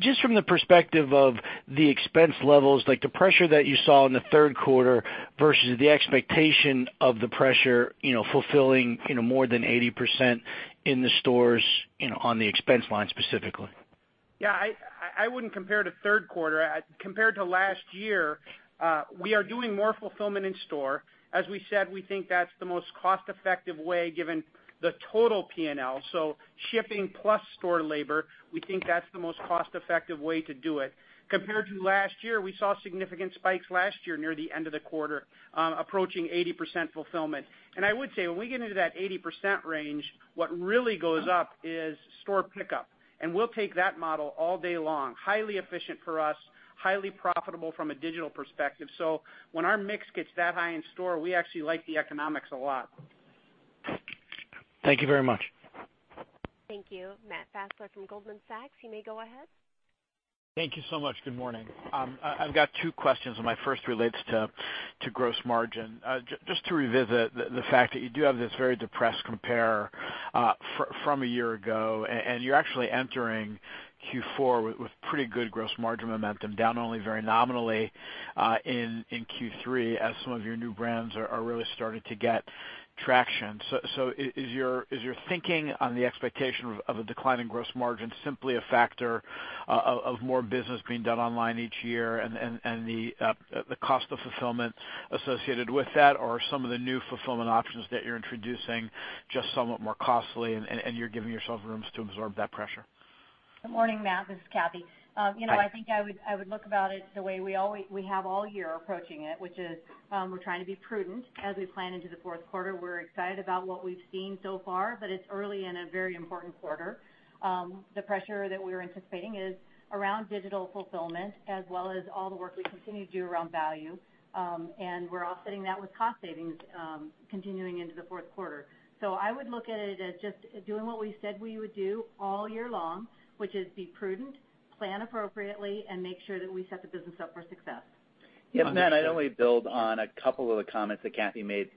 Just from the perspective of the expense levels, like the pressure that you saw in the third quarter versus the expectation of the pressure fulfilling more than 80% in the stores on the expense line specifically. Yeah, I wouldn't compare it to third quarter. Compared to last year, we are doing more fulfillment in store. As we said, we think that's the most cost-effective way given the total P&L. Shipping plus store labor, we think that's the most cost-effective way to do it. Compared to last year, we saw significant spikes last year near the end of the quarter, approaching 80% fulfillment. I would say when we get into that 80% range, what really goes up is store pickup, and we'll take that model all day long. Highly efficient for us, highly profitable from a digital perspective. So when our mix gets that high in store, we actually like the economics a lot. Thank you very much. Thank you. Matt Fassler from Goldman Sachs, you may go ahead. Thank you so much. Good morning. I've got two questions, and my first relates to gross margin. Just to revisit the fact that you do have this very depressed compare from a year ago, and you're actually entering Q4 with pretty good gross margin momentum, down only very nominally in Q3 as some of your new brands are really starting to get traction. Is your thinking on the expectation of a decline in gross margin simply a factor of more business being done online each year and the cost of fulfillment associated with that, or are some of the new fulfillment options that you're introducing just somewhat more costly and you're giving yourself rooms to absorb that pressure? Good morning, Matt. This is Cathy. Hi. I think I would look about it the way we have all year approaching it, which is we're trying to be prudent as we plan into the fourth quarter. We're excited about what we've seen so far, but it's early in a very important quarter. The pressure that we're anticipating is around digital fulfillment as well as all the work we continue to do around value. We're offsetting that with cost savings continuing into the fourth quarter. I would look at it as just doing what we said we would do all year long, which is be prudent, plan appropriately, and make sure that we set the business up for success. Yes, Matt, I'd only build on a couple of the comments that Cathy made.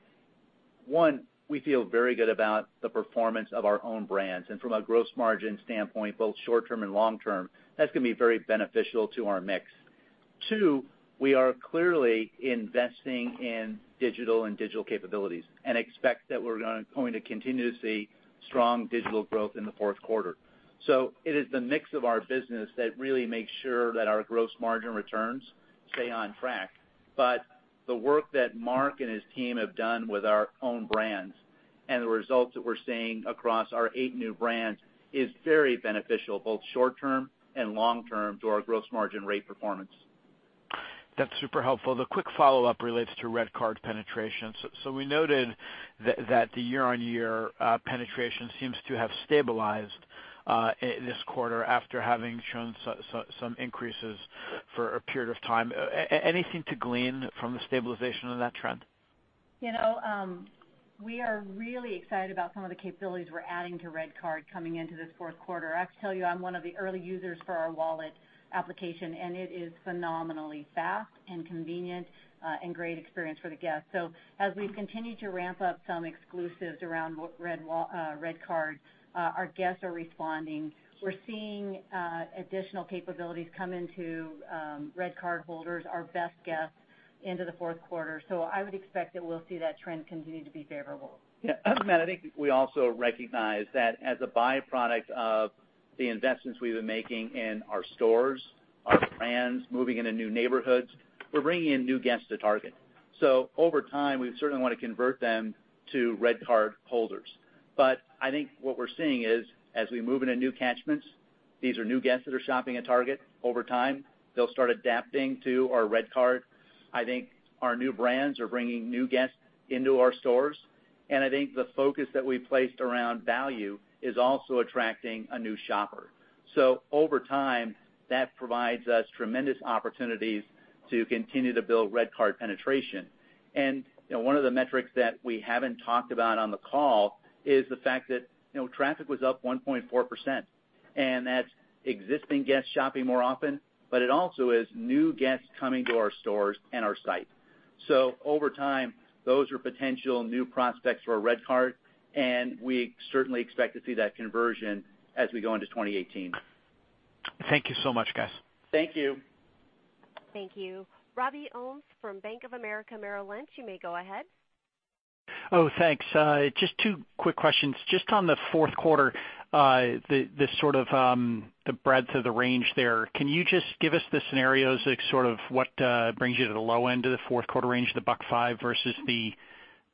One, we feel very good about the performance of our own brands, and from a gross margin standpoint, both short-term and long-term, that's going to be very beneficial to our mix. Two, we are clearly investing in digital and digital capabilities and expect that we're going to continue to see strong digital growth in the fourth quarter. It is the mix of our business that really makes sure that our gross margin returns stay on track. The work that Mark and his team have done with our own brands and the results that we're seeing across our eight new brands is very beneficial, both short-term and long-term, to our gross margin rate performance. That's super helpful. The quick follow-up relates to RedCard penetration. We noted that the year-on-year penetration seems to have stabilized this quarter after having shown some increases for a period of time. Anything to glean from the stabilization of that trend? We are really excited about some of the capabilities we're adding to RedCard coming into this fourth quarter. I have to tell you, I'm one of the early users for our wallet application, and it is phenomenally fast and convenient and great experience for the guest. As we've continued to ramp up some exclusives around RedCard, our guests are responding. We're seeing additional capabilities come into RedCard holders, our best guests, into the fourth quarter. I would expect that we'll see that trend continue to be favorable. Yeah. Matt, I think we also recognize that as a byproduct of the investments we've been making in our stores, our brands, moving into new neighborhoods, we're bringing in new guests to Target. Over time, we certainly want to convert them to RedCard holders. I think what we're seeing is, as we move into new catchments, these are new guests that are shopping at Target. Over time, they'll start adapting to our RedCard. I think our new brands are bringing new guests into our stores, and I think the focus that we placed around value is also attracting a new shopper. Over time, that provides us tremendous opportunities to continue to build RedCard penetration. One of the metrics that we haven't talked about on the call is the fact that traffic was up 1.4%, and that's existing guests shopping more often, but it also is new guests coming to our stores and our site. Over time, those are potential new prospects for a RedCard, and we certainly expect to see that conversion as we go into 2018. Thank you so much, guys. Thank you. Thank you. Robert Ohmes from Bank of America Merrill Lynch, you may go ahead. Thanks. Just two quick questions. Just on the fourth quarter, the breadth of the range there, can you just give us the scenarios, sort of what brings you to the low end of the fourth quarter range, the $1.05 versus the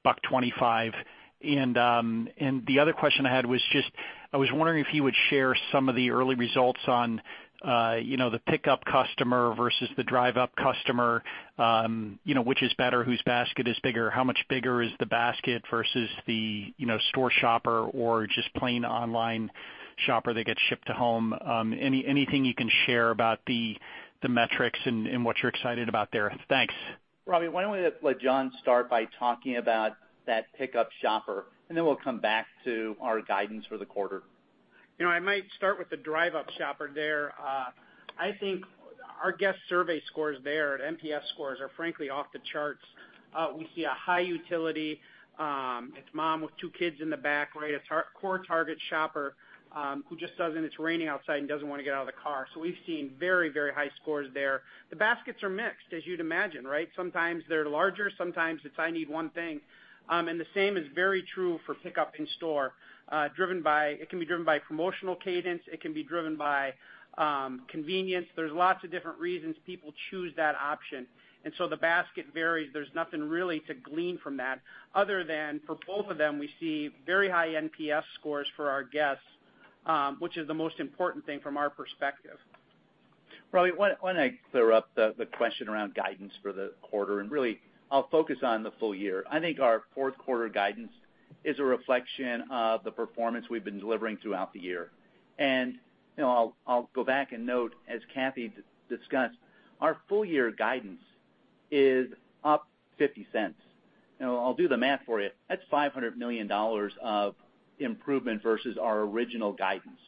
$1.25? The other question I had was just, I was wondering if you would share some of the early results on the pickup customer versus the drive-up customer. Which is better? Whose basket is bigger? How much bigger is the basket versus the store shopper or just plain online shopper that gets shipped to home? Anything you can share about the metrics and what you're excited about there? Thanks. Robbie, why don't we let John start by talking about that pickup shopper, and then we'll come back to our guidance for the quarter. I might start with the drive-up shopper there. I think our guest survey scores there at NPS scores are frankly off the charts. We see a high utility. It's mom with two kids in the back, right? A core Target shopper who just doesn't. It's raining outside and doesn't want to get out of the car. We've seen very high scores there. The baskets are mixed, as you'd imagine, right? Sometimes they're larger, sometimes it's, "I need one thing." The same is very true for pickup in-store. It can be driven by promotional cadence. It can be driven by convenience. There's lots of different reasons people choose that option. The basket varies. There's nothing really to glean from that other than for both of them, we see very high NPS scores for our guests, which is the most important thing from our perspective. Robbie, why don't I clear up the question around guidance for the quarter, and really I'll focus on the full year. I think our fourth quarter guidance is a reflection of the performance we've been delivering throughout the year. I'll go back and note, as Cathy discussed, our full year guidance is up $0.50. I'll do the math for you. That's $500 million of improvement versus our original guidance.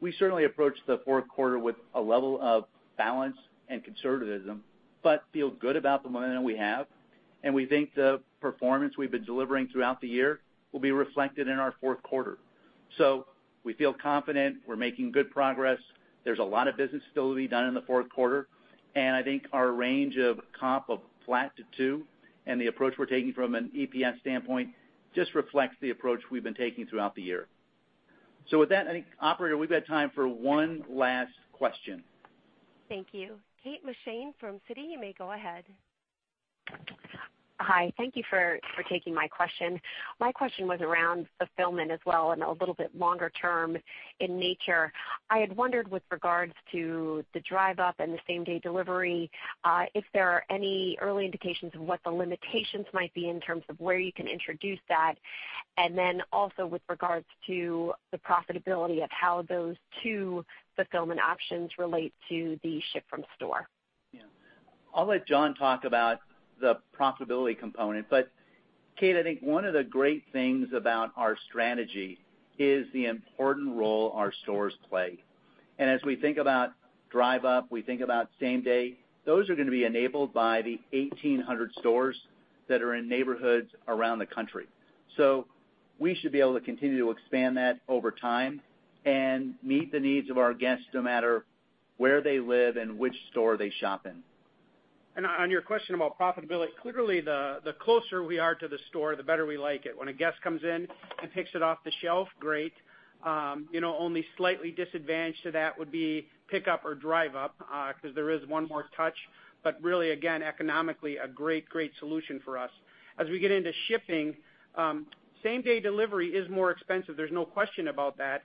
We certainly approach the fourth quarter with a level of balance and conservatism, but feel good about the momentum we have, and we think the performance we've been delivering throughout the year will be reflected in our fourth quarter. We feel confident. We're making good progress. There's a lot of business still to be done in the fourth quarter, and I think our range of comp of flat to two and the approach we're taking from an EPS standpoint just reflects the approach we've been taking throughout the year. With that, I think, operator, we've got time for one last question. Thank you. Kate McShane from Citi, you may go ahead. Hi. Thank you for taking my question. My question was around fulfillment as well and a little bit longer term in nature. I had wondered with regards to the drive up and the same-day delivery, if there are any early indications of what the limitations might be in terms of where you can introduce that, and then also with regards to the profitability of how those two fulfillment options relate to the ship from store. Yeah. I'll let John Hulbert talk about the profitability component. Kate McShane, I think one of the great things about our strategy is the important role our stores play. As we think about drive up, we think about same day, those are going to be enabled by the 1,800 stores that are in neighborhoods around the country. We should be able to continue to expand that over time and meet the needs of our guests, no matter where they live and which store they shop in. On your question about profitability, clearly the closer we are to the store, the better we like it. When a guest comes in and picks it off the shelf, great. Only slightly disadvantage to that would be pickup or drive up, because there is one more touch, but really, again, economically, a great solution for us. As we get into shipping, same-day delivery is more expensive. There's no question about that.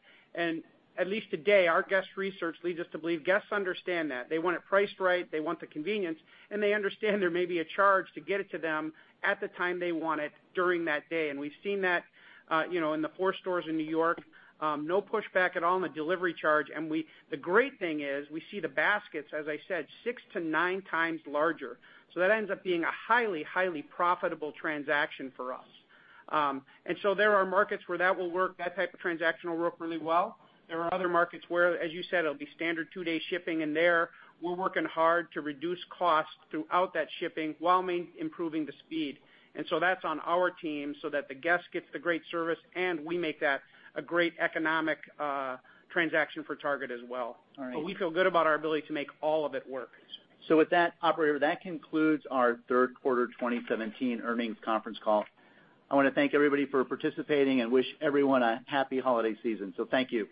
At least today, our guest research leads us to believe guests understand that. They want it priced right, they want the convenience, and they understand there may be a charge to get it to them at the time they want it during that day. We've seen that in the four stores in New York. No pushback at all on the delivery charge. The great thing is we see the baskets, as I said, six to nine times larger. That ends up being a highly profitable transaction for us. There are markets where that type of transaction will work really well. There are other markets where, as you said, it'll be standard two-day shipping, and there we're working hard to reduce costs throughout that shipping while improving the speed. That's on our team so that the guest gets the great service and we make that a great economic transaction for Target as well. All right. We feel good about our ability to make all of it work. With that, operator, that concludes our third quarter 2017 earnings conference call. I want to thank everybody for participating and wish everyone a happy holiday season. Thank you.